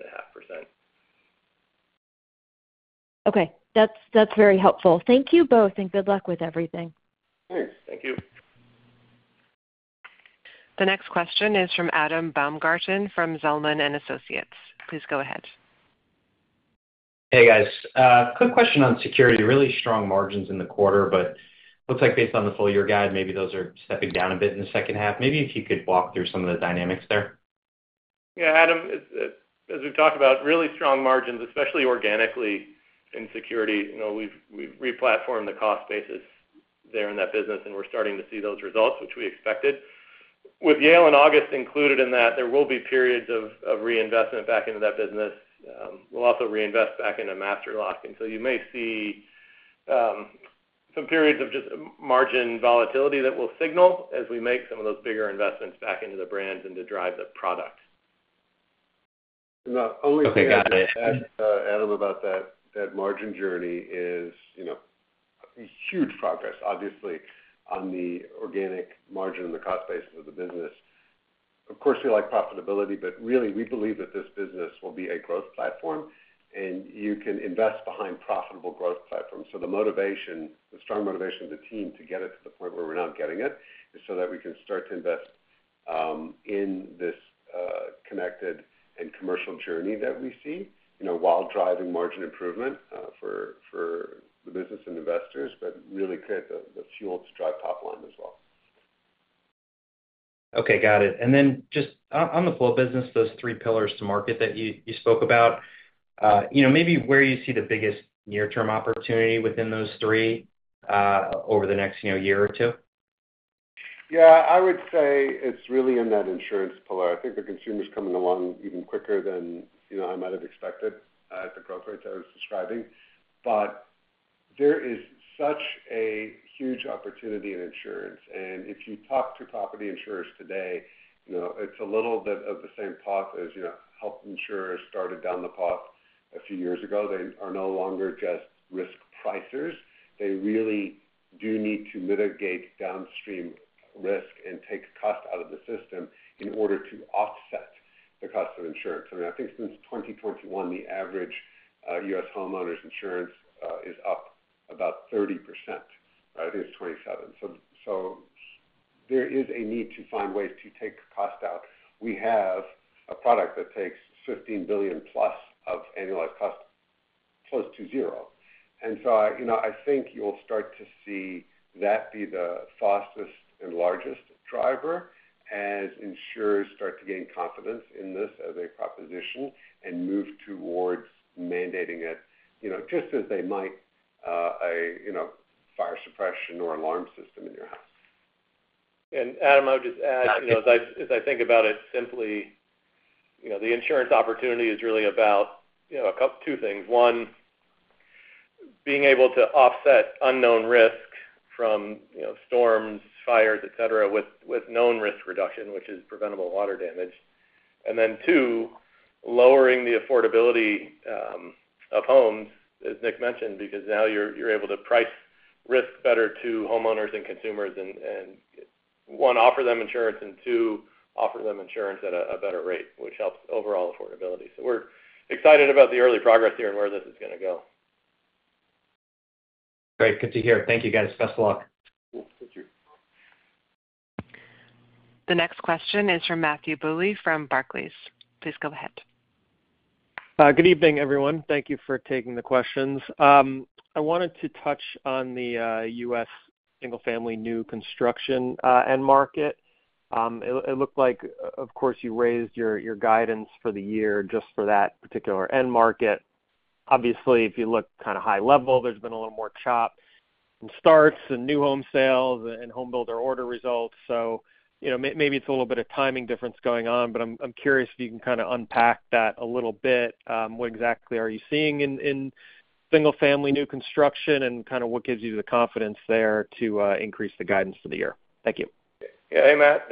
Okay. That's, that's very helpful. Thank you both, and good luck with everything. Thanks. Thank you. The next question is from Adam Baumgarten, from Zelman & Associates. Please go ahead. Hey, guys. Quick question on security. Really strong margins in the quarter, but looks like based on the full year guide, maybe those are stepping down a bit in the second half. Maybe if you could walk through some of the dynamics there? Yeah, Adam, as we've talked about, really strong margins, especially organically in security. You know, we've replatformed the cost basis there in that business, and we're starting to see those results, which we expected. With Yale and August included in that, there will be periods of reinvestment back into that business. We'll also reinvest back into Master Lock, and so you may see some periods of just margin volatility that we'll signal as we make some of those bigger investments back into the brands and to drive the product. Well, only to add- Okay, got it.... Adam, about that, that margin journey is, you know, huge progress, obviously, on the organic margin and the cost basis of the business. Of course, we like profitability, but really, we believe that this business will be a growth platform, and you can invest behind profitable growth platforms. So the motivation, the strong motivation of the team to get it to the point where we're now getting it, is so that we can start to invest in this connected and commercial journey that we see, you know, while driving margin improvement for the business and investors, but really create the fuel to drive top line as well. Okay, got it. And then just on the Flo business, those three pillars to market that you spoke about, you know, maybe where you see the biggest near-term opportunity within those three, over the next, you know, year or two? Yeah, I would say it's really in that insurance pillar. I think the consumer's coming along even quicker than, you know, I might have expected, at the growth rates I was describing. But there is such a huge opportunity in insurance, and if you talk to property insurers today, you know, it's a little bit of the same talk as, you know, health insurers started down the path a few years ago. They are no longer just risk pricers. They really do need to mitigate downstream risk and take cost out of the system in order to offset the cost of insurance. I mean, I think since 2021, the average, U.S. homeowners insurance, is up about 30%, right? I think it's 27. So, so there is a need to find ways to take cost out. We have a product that takes $15 billion+ of annualized cost, close to zero. And so I, you know, I think you'll start to see that be the fastest and largest driver as insurers start to gain confidence in this as a proposition and move towards mandating it, you know, just as they might, you know, fire suppression or alarm system in your house. Adam, I would just add- Got it. You know, as I think about it, simply, you know, the insurance opportunity is really about, you know, two things. One, being able to offset unknown risk from, you know, storms, fires, et cetera, with known risk reduction, which is preventable water damage. And then two, lowering the affordability of homes, as Nick mentioned, because now you're able to price risk better to homeowners and consumers, and one, offer them insurance, and two, offer them insurance at a better rate, which helps overall affordability. So we're excited about the early progress here and where this is gonna go. Great, good to hear. Thank you, guys. Best of luck. Yeah, thank you. The next question is from Matthew Bouley, from Barclays. Please go ahead. Good evening, everyone. Thank you for taking the questions. I wanted to touch on the U.S. single-family new construction end market. It looked like, of course, you raised your guidance for the year just for that particular end market. Obviously, if you look kind of high level, there's been a little more choppiness in starts and new home sales and home builder order results. So, you know, maybe it's a little bit of timing difference going on, but I'm curious if you can kind of unpack that a little bit. What exactly are you seeing in single-family new construction, and kind of what gives you the confidence there to increase the guidance for the year? Thank you. Yeah. Hey, Matt.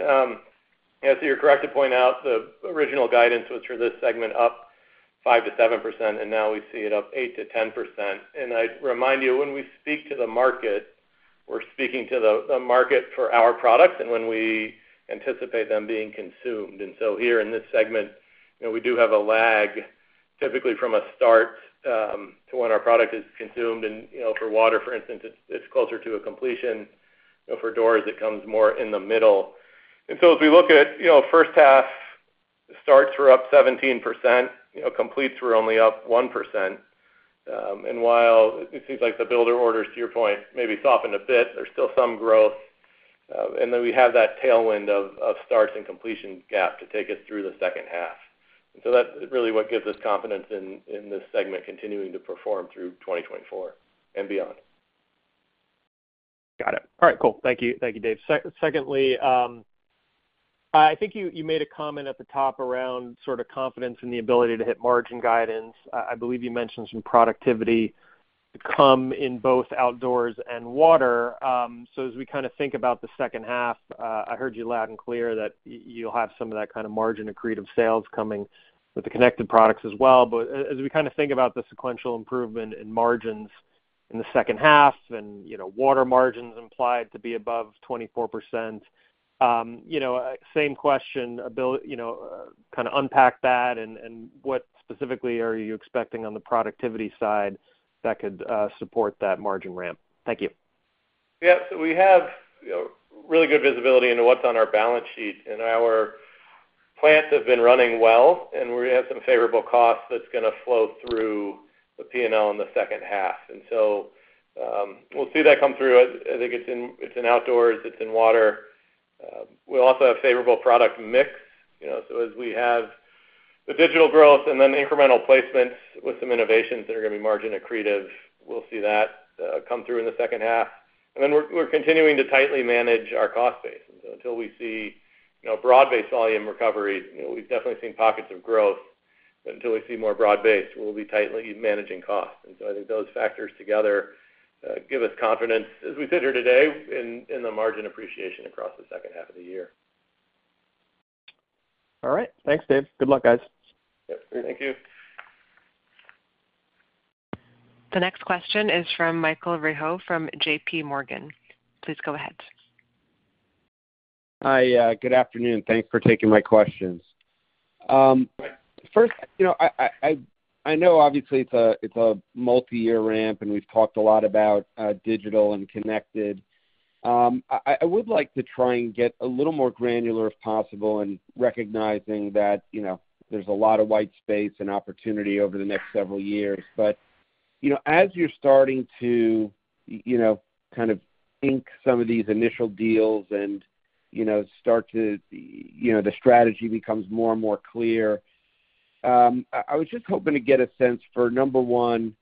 Yeah, so you're correct to point out the original guidance, which for this segment, up 5%-7%, and now we see it up 8%-10%. And I'd remind you, when we speak to the market, we're speaking to the market for our products and when we anticipate them being consumed. And so here in this segment, you know, we do have a lag, typically from a start to when our product is consumed. And, you know, for water, for instance, it's closer to a completion. You know, for doors, it comes more in the middle. And so as we look at, you know, first half, starts were up 17%, you know, completes were only up 1%. And while it seems like the builder orders, to your point, maybe softened a bit, there's still some growth. And then we have that tailwind of starts and completion gap to take us through the second half. And so that's really what gives us confidence in this segment, continuing to perform through 2024 and beyond. Got it. All right, cool. Thank you. Thank you, Dave. Secondly, I think you made a comment at the top around sort of confidence in the ability to hit margin guidance. I believe you mentioned some productivity coming in both outdoors and water. So as we kind of think about the second half, I heard you loud and clear that you'll have some of that kind of margin accretive sales coming with the connected products as well. But as we kind of think about the sequential improvement in margins in the second half, and, you know, water margins implied to be above 24%, you know, same question, ability. You know, kind of unpack that, and what specifically are you expecting on the productivity side that could support that margin ramp? Thank you. Yeah. So we have, you know, really good visibility into what's on our balance sheet, and our plants have been running well, and we have some favorable costs that's gonna flow through the P&L in the second half. And so, we'll see that come through. I think it's in, it's in outdoors, it's in water. We also have favorable product mix, you know, so as we have the digital growth and then incremental placements with some innovations that are gonna be margin accretive, we'll see that come through in the second half. And then we're continuing to tightly manage our cost base. And so until we see, you know, broad-based volume recovery, you know, we've definitely seen pockets of growth, but until we see more broad-based, we'll be tightly managing costs. So I think those factors together give us confidence as we sit here today in the margin appreciation across the second half of the year. All right. Thanks, Dave. Good luck, guys. Yep. Thank you. The next question is from Michael Rehaut from J.P. Morgan. Please go ahead. Hi, good afternoon. Thanks for taking my questions. First, you know, I know obviously it's a multiyear ramp, and we've talked a lot about digital and connected. I would like to try and get a little more granular, if possible, in recognizing that, you know, there's a lot of white space and opportunity over the next several years. But, you know, as you're starting to, you know, kind of think some of these initial deals and, you know, start to, you know, the strategy becomes more and more clear, I was just hoping to get a sense for, number one,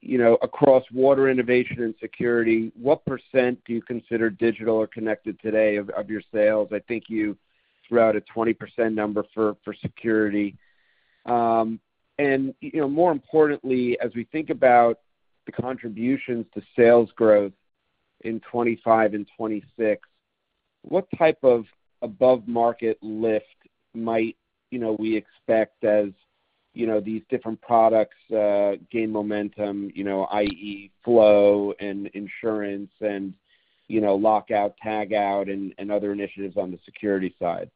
you know, across water, innovation, and security, what percent do you consider digital or connected today of your sales? I think you threw out a 20% number for security. And, you know, more importantly, as we think about the contributions to sales growth in 25 and 26, what type of above-market lift might, you know, we expect as, you know, these different products gain momentum, you know, i.e., Flo and insurance and, you know, lockout/tagout, and, and other initiatives on the security side?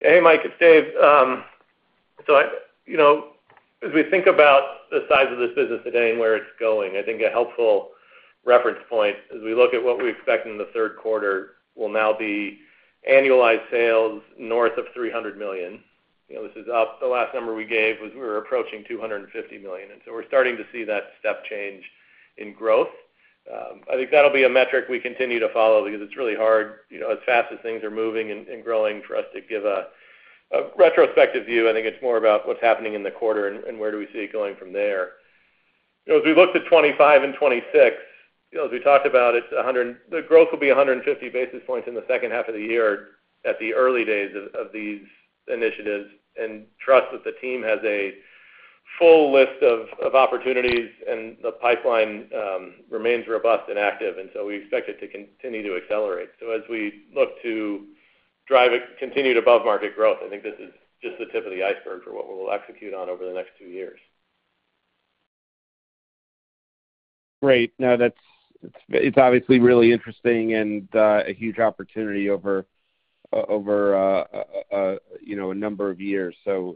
Hey, Mike, it's Dave. So you know, as we think about the size of this business today and where it's going, I think a helpful reference point as we look at what we expect in the third quarter, will now be annualized sales north of $300 million. You know, this is up. The last number we gave was we were approaching $250 million, and so we're starting to see that step change in growth. I think that'll be a metric we continue to follow because it's really hard, you know, as fast as things are moving and growing, for us to give a retrospective view. I think it's more about what's happening in the quarter and where do we see it going from there. You know, as we looked at 25 and 26, you know, as we talked about, it's a hundred-- the growth will be 150 basis points in the second half of the year at the early days of, of these initiatives. And trust that the team has a full list of, of opportunities, and the pipeline remains robust and active, and so we expect it to continue to accelerate. So as we look to drive a continued above-market growth, I think this is just the tip of the iceberg for what we will execute on over the next two years. Great. No, it's obviously really interesting and a huge opportunity over a number of years, so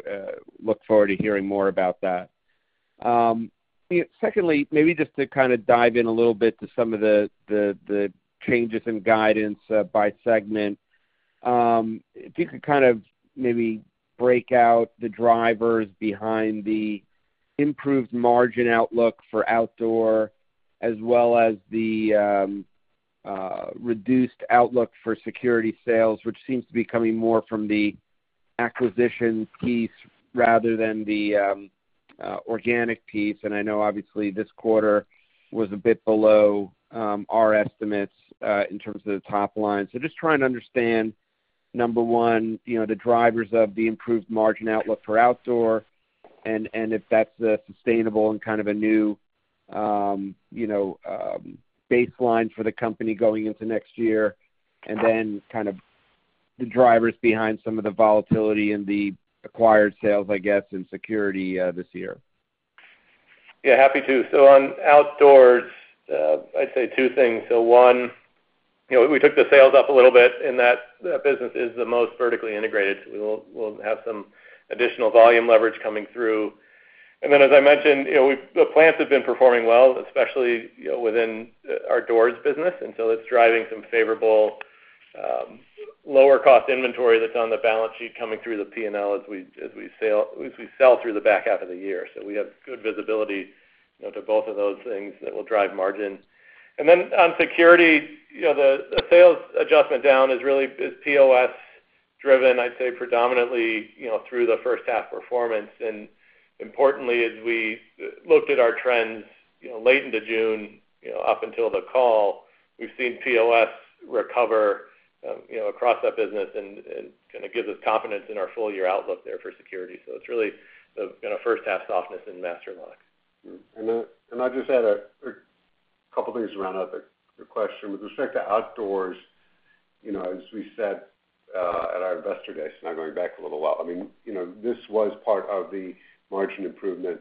look forward to hearing more about that. Secondly, maybe just to kind of dive in a little bit to some of the changes in guidance by segment, if you could kind of maybe break out the drivers behind the improved margin outlook for outdoor, as well as the reduced outlook for security sales, which seems to be coming more from the acquisition piece rather than the organic piece. And I know obviously, this quarter was a bit below our estimates in terms of the top line. So just trying to understand, number one, you know, the drivers of the improved margin outlook for outdoor, and, and if that's a sustainable and kind of a new, you know, baseline for the company going into next year. And then kind of the drivers behind some of the volatility in the acquired sales, I guess, in security, this year. Yeah, happy to. So on outdoors, I'd say two things. So one, you know, we took the sales up a little bit, and that business is the most vertically integrated. So we'll have some additional volume leverage coming through. And then, as I mentioned, you know, the plants have been performing well, especially, you know, within our doors business, and so it's driving some favorable lower cost inventory that's on the balance sheet coming through the PNL as we sell through the back half of the year. So we have good visibility, you know, to both of those things that will drive margin. And then on security, you know, the sales adjustment down is really POS driven, I'd say predominantly, you know, through the first half performance. Importantly, as we looked at our trends, you know, late into June, you know, up until the call, we've seen POS recover, you know, across that business, and kind of gives us confidence in our full year outlook there for security. So it's really the kind of first half softness in Master Lock. Mm-hmm. And then, I'll just add a couple things around the question. With respect to outdoors, you know, as we said at our investor day, so now going back a little while, I mean, you know, this was part of the margin improvement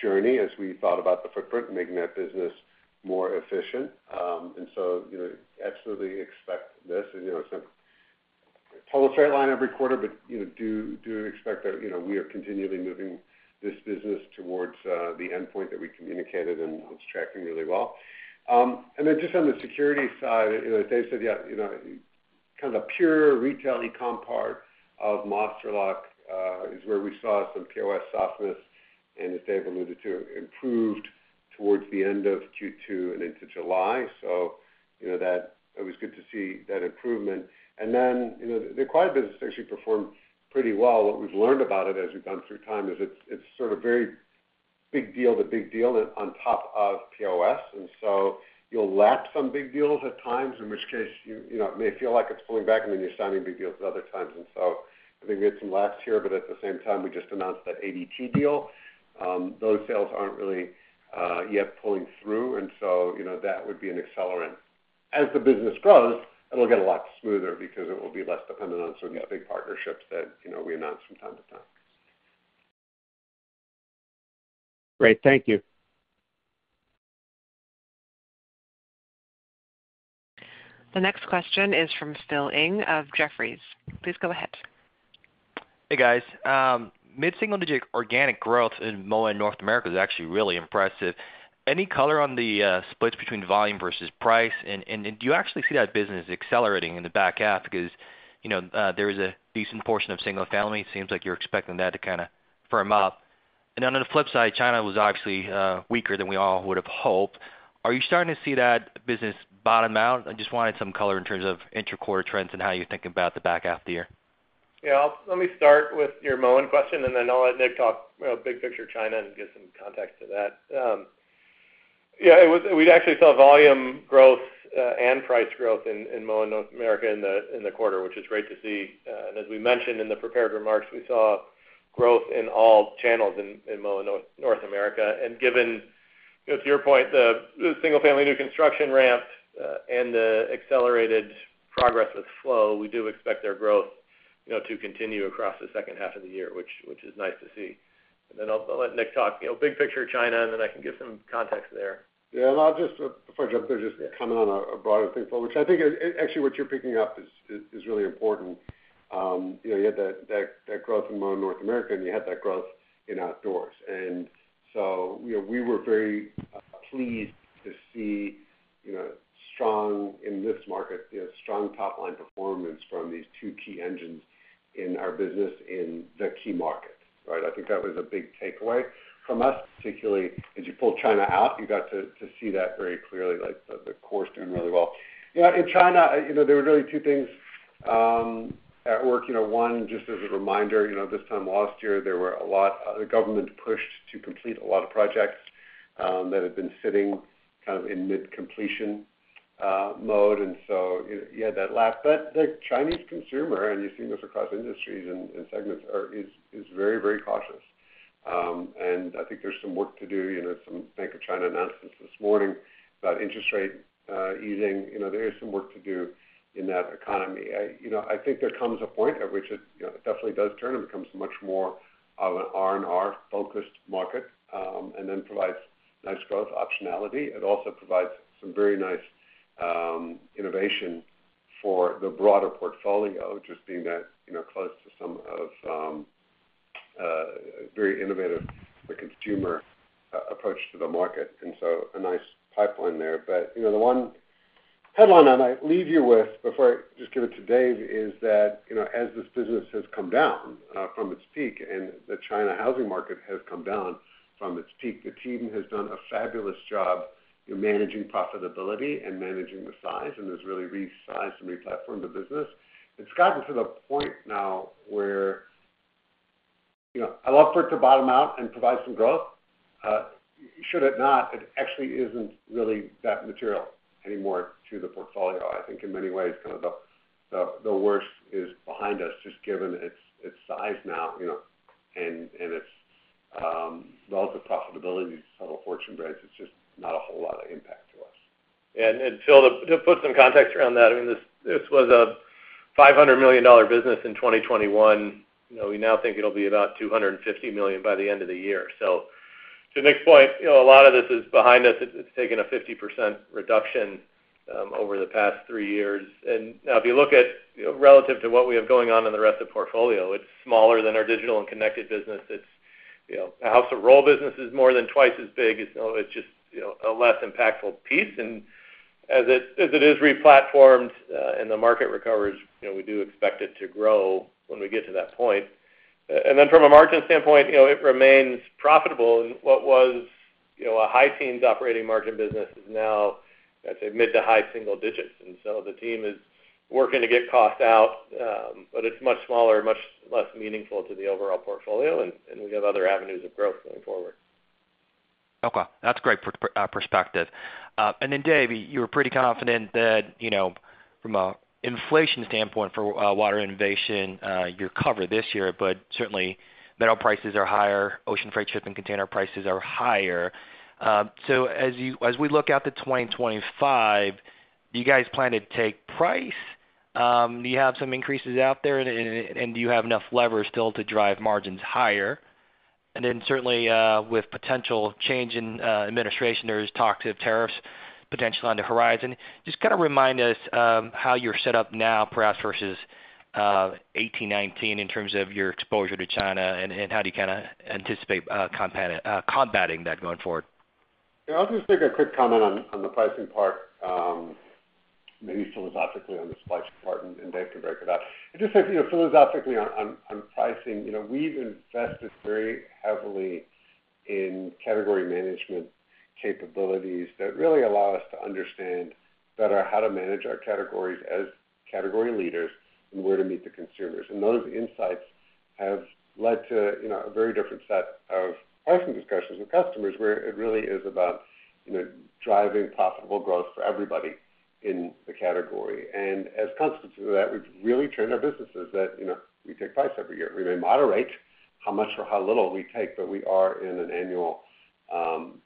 journey as we thought about the footprint and making that business more efficient. And so, you know, absolutely expect this, and, you know, it's not a total straight line every quarter, but, you know, do expect that, you know, we are continually moving this business towards the endpoint that we communicated, and it's tracking really well. And then just on the security side, you know, as Dave said, yeah, you know, kind of pure retail e-com part of Master Lock is where we saw some POS softness, and as Dave alluded to, improved towards the end of Q2 and into July. So, you know, that it was good to see that improvement. And then, you know, the acquired business actually performed pretty well. What we've learned about it as we've gone through time is it's sort of very big deal to big deal on top of POS. And so you'll lap some big deals at times, in which case you, you know, it may feel like it's pulling back, and then you're signing big deals at other times. And so I think we had some laps here, but at the same time, we just announced that ADT deal. Those sales aren't really yet pulling through, and so, you know, that would be an accelerant. As the business grows, it'll get a lot smoother because it will be less dependent on certain big partnerships that, you know, we announce from time to time. Great. Thank you. The next question is from Phil Ng of Jefferies. Please go ahead. Hey, guys. Mid-single-digit organic growth in Moen North America is actually really impressive. Any color on the splits between volume versus price? And do you actually see that business accelerating in the back half? Because, you know, there is a decent portion of single-family, it seems like you're expecting that to kind of firm up. And then on the flip side, China was obviously weaker than we all would've hoped. Are you starting to see that business bottom out? I just wanted some color in terms of interquarter trends and how you're thinking about the back half of the year. Yeah, I'll let me start with your Moen question, and then I'll let Nick talk, you know, big picture China and give some context to that. Yeah, it was we actually saw volume growth and price growth in Moen North America in the quarter, which is great to see. And as we mentioned in the prepared remarks, we saw growth in all channels in Moen North America. And given, you know, to your point, the single-family new construction ramp and the accelerated progress with Flo, we do expect their growth, you know, to continue across the second half of the year, which is nice to see. And then I'll let Nick talk, you know, big picture China, and then I can give some context there. Yeah, and I'll just, before I jump in, just comment on a broader thing, Phil, which I think is, actually, what you're picking up is really important. You know, you had that growth in Moen North America, and you had that growth in outdoors. And so, you know, we were very pleased to see, you know, strong in this market, you know, strong top line performance from these two key engines in our business, in the key markets, right? I think that was a big takeaway from us, particularly as you pull China out, you got to see that very clearly, like the core is doing really well. You know, in China, you know, there were really two things at work. You know, one, just as a reminder, you know, this time last year, there were a lot. The government pushed to complete a lot of projects that had been sitting kind of in mid-completion mode, and so, you know, you had that lap. But the Chinese consumer, and you've seen this across industries and segments, is very, very cautious. And I think there's some work to do. You know, some Bank of China announcements this morning about interest rate easing. You know, there is some work to do in that economy. You know, I think there comes a point at which it, you know, it definitely does turn and becomes much more of an R&R-focused market, and then provides nice growth optionality. It also provides some very nice innovation for the broader portfolio, just being that, you know, close to some of very innovative consumer approach to the market, and so a nice pipeline there. But, you know, the one headline that I leave you with before I just give it to Dave, is that, you know, as this business has come down from its peak and the China housing market has come down from its peak, the team has done a fabulous job in managing profitability and managing the size and has really resized and replatformed the business. It's gotten to the point now where you know, I love for it to bottom out and provide some growth. Should it not, it actually isn't really that material anymore to the portfolio. I think in many ways, kind of the worst is behind us, just given its size now, you know, and its relative profitability to some of Fortune Brands, it's just not a whole lot of impact to us. And Phil, to put some context around that, I mean, this was a $500 million business in 2021. You know, we now think it'll be about $250 million by the end of the year. So to Nick's point, you know, a lot of this is behind us. It's taken a 50% reduction over the past three years. And now, if you look at, you know, relative to what we have going on in the rest of the portfolio, it's smaller than our digital and connected business. It's, you know, our House of Rohl business is more than twice as big. So it's just, you know, a less impactful piece. And as it is replatformed and the market recovers, you know, we do expect it to grow when we get to that point. And then from a margin standpoint, you know, it remains profitable. And what was, you know, a high teens operating margin business is now, I'd say, mid to high single digits. And so the team is working to get costs out, but it's much smaller and much less meaningful to the overall portfolio, and, and we have other avenues of growth going forward. Okay, that's great perspective. And then, Dave, you were pretty confident that, you know, from an inflation standpoint for water innovation, you're covered this year, but certainly metal prices are higher, ocean freight shipping, container prices are higher. So as we look out to 2025, do you guys plan to take price? Do you have some increases out there, and do you have enough leverage still to drive margins higher? And then certainly, with potential change in administration, there's talk of tariffs potentially on the horizon. Just kind of remind us how you're set up now, perhaps versus 2018, 2019, in terms of your exposure to China, and how do you kinda anticipate combating that going forward? Yeah, I'll just make a quick comment on the pricing part, maybe philosophically on the supply chain part, and Dave can break it out. I'd just say, you know, philosophically on pricing, you know, we've invested very heavily in category management capabilities that really allow us to understand better how to manage our categories as category leaders and where to meet the consumers. And those insights have led to, you know, a very different set of pricing discussions with customers, where it really is about, you know, driving profitable growth for everybody in the category. And as a consequence of that, we've really trained our businesses that, you know, we take price every year. We may moderate how much or how little we take, but we are in an annual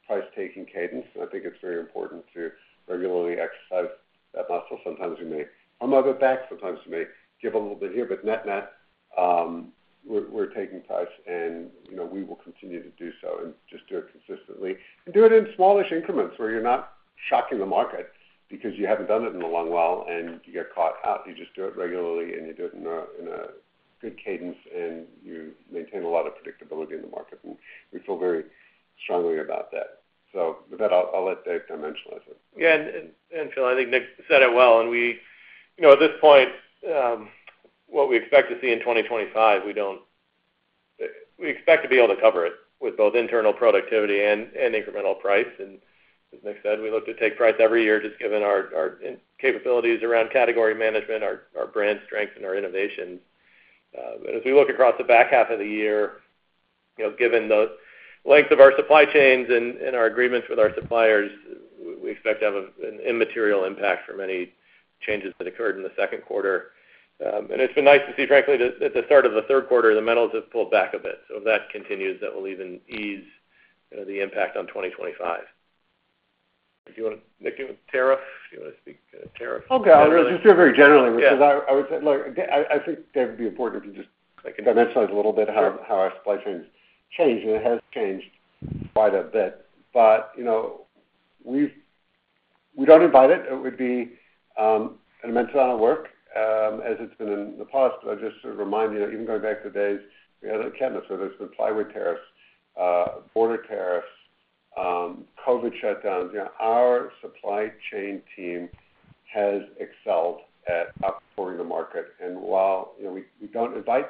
price-taking cadence, and I think it's very important to regularly exercise that muscle. Sometimes we may arm it back, sometimes we may give a little bit here, but net-net, we're taking price, and, you know, we will continue to do so and just do it consistently. And do it in smallish increments, where you're not shocking the market because you haven't done it in a long while, and you get caught out. You just do it regularly, and you do it in a good cadence, and you maintain a lot of predictability in the market, and we feel very strongly about that. So with that, I'll let Dave dimensionalize it. Yeah, and Phil, I think Nick said it well. And we—you know, at this point, what we expect to see in 2025, we don't—we expect to be able to cover it with both internal productivity and incremental price. And as Nick said, we look to take price every year, just given our capabilities around category management, our brand strength, and our innovation. But as we look across the back half of the year, you know, given the length of our supply chains and our agreements with our suppliers, we expect to have an immaterial impact from any changes that occurred in the second quarter. And it's been nice to see, frankly, at the start of the third quarter, the metals have pulled back a bit. So if that continues, that will even ease, you know, the impact on 2025. Do you want to—Nick, tariff? Do you want to speak to tariffs? Okay, I'll just do it very generally- Yeah. Because I would say, look, again, I think Dave, it'd be important to just- I can-... dimensionalize a little bit how- Sure... how our supply chains changed, and it has changed quite a bit. But, you know, we don't invite it. It would be, an immense amount of work, as it's been in the past. But just to remind you, even going back to the days we had at cabinets, where there's been plywood tariffs, border tariffs, COVID shutdowns, you know, our supply chain team has excelled at outperforming the market. And while, you know, we don't invite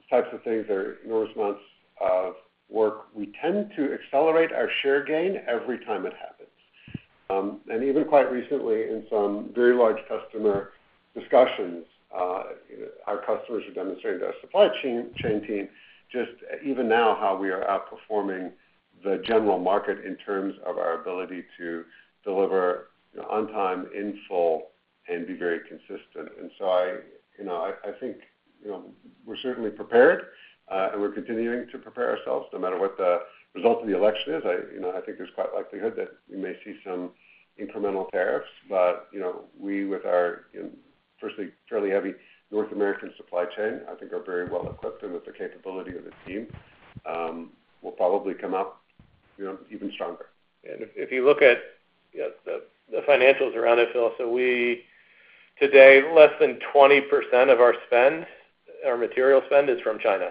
these types of things, they're enormous amounts of work, we tend to accelerate our share gain every time it happens. And even quite recently, in some very large customer discussions, you know, our customers have demonstrated to our supply chain team, just even now, how we are outperforming the general market in terms of our ability to deliver, you know, on time, in full, and be very consistent. And so I, you know, I think, you know, we're certainly prepared, and we're continuing to prepare ourselves, no matter what the result of the election is. I, you know, I think there's quite likelihood that we may see some incremental tariffs, but, you know, we, with our, you know, firstly, fairly heavy North American supply chain, I think are very well equipped. And with the capability of the team, we'll probably come out, you know, even stronger. If you look at, you know, the financials around it, Phil, so we— today, less than 20% of our spend, our material spend, is from China,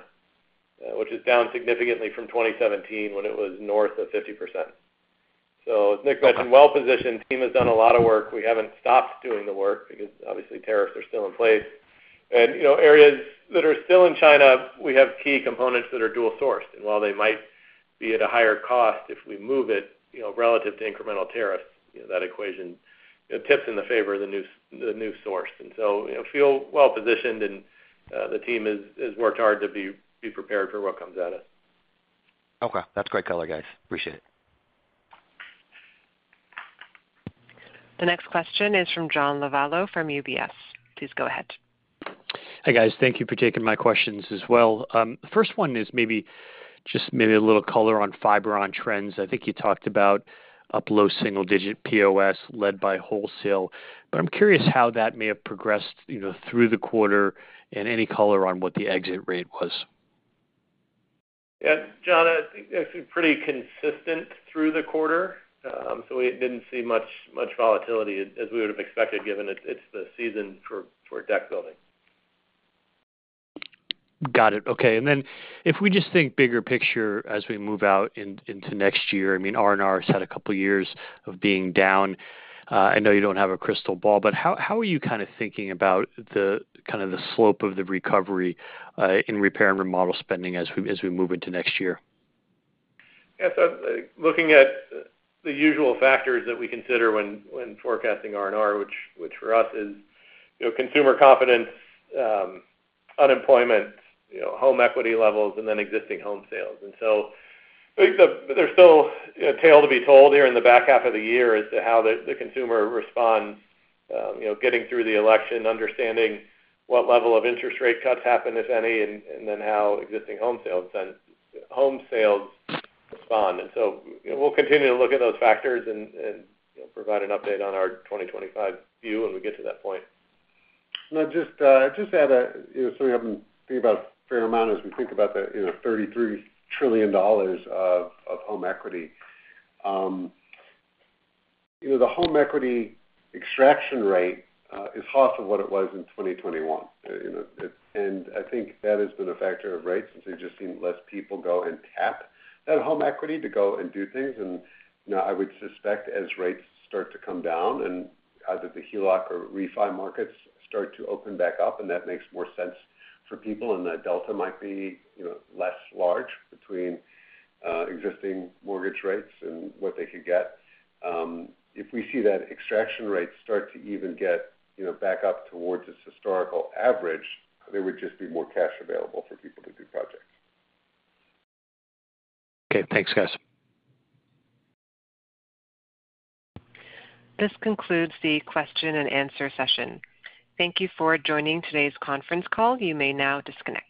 which is down significantly from 2017, when it was north of 50%. So as Nick mentioned- Okay... well positioned, team has done a lot of work. We haven't stopped doing the work because, obviously, tariffs are still in place. And, you know, areas that are still in China, we have key components that are dual sourced. And while they might be at a higher cost, if we move it, you know, relative to incremental tariffs, you know, that equation, it tips in the favor of the new source. And so, you know, feel well positioned, and the team has worked hard to be prepared for what comes at us. Okay. That's great color, guys. Appreciate it. The next question is from John Lovallo from UBS. Please go ahead. Hi, guys. Thank you for taking my questions as well. The first one is maybe, just maybe a little color on Fiberon, on trends. I think you talked about up low single digit POS led by wholesale, but I'm curious how that may have progressed, you know, through the quarter and any color on what the exit rate was. Yeah, John, I think it's pretty consistent through the quarter. So we didn't see much volatility as we would have expected, given it's the season for deck building. Got it. Okay. And then if we just think bigger picture as we move out into next year, I mean, R&R has had a couple of years of being down. I know you don't have a crystal ball, but how are you kind of thinking about the kind of the slope of the recovery in repair and remodel spending as we move into next year? Yes, looking at the usual factors that we consider when forecasting R&R, which for us is, you know, consumer confidence, unemployment, you know, home equity levels, and then existing home sales. And so there's still a tale to be told here in the back half of the year as to how the consumer responds, you know, getting through the election, understanding what level of interest rate cuts happen, if any, and then how existing home sales and home sales respond. And so, you know, we'll continue to look at those factors and, you know, provide an update on our 2025 view when we get to that point. And I just, I just add, you know, something I've been thinking about a fair amount as we think about the, you know, $33 trillion of home equity. You know, the home equity extraction rate is half of what it was in 2021, you know. And I think that has been a factor of rates, since we've just seen less people go and tap that home equity to go and do things. And, you know, I would suspect as rates start to come down and either the HELOC or refi markets start to open back up, and that makes more sense for people, and that delta might be, you know, less large between existing mortgage rates and what they could get. If we see that extraction rates start to even get, you know, back up towards its historical average, there would just be more cash available for people to do projects. Okay, thanks, guys. This concludes the question and answer session. Thank you for joining today's conference call. You may now disconnect.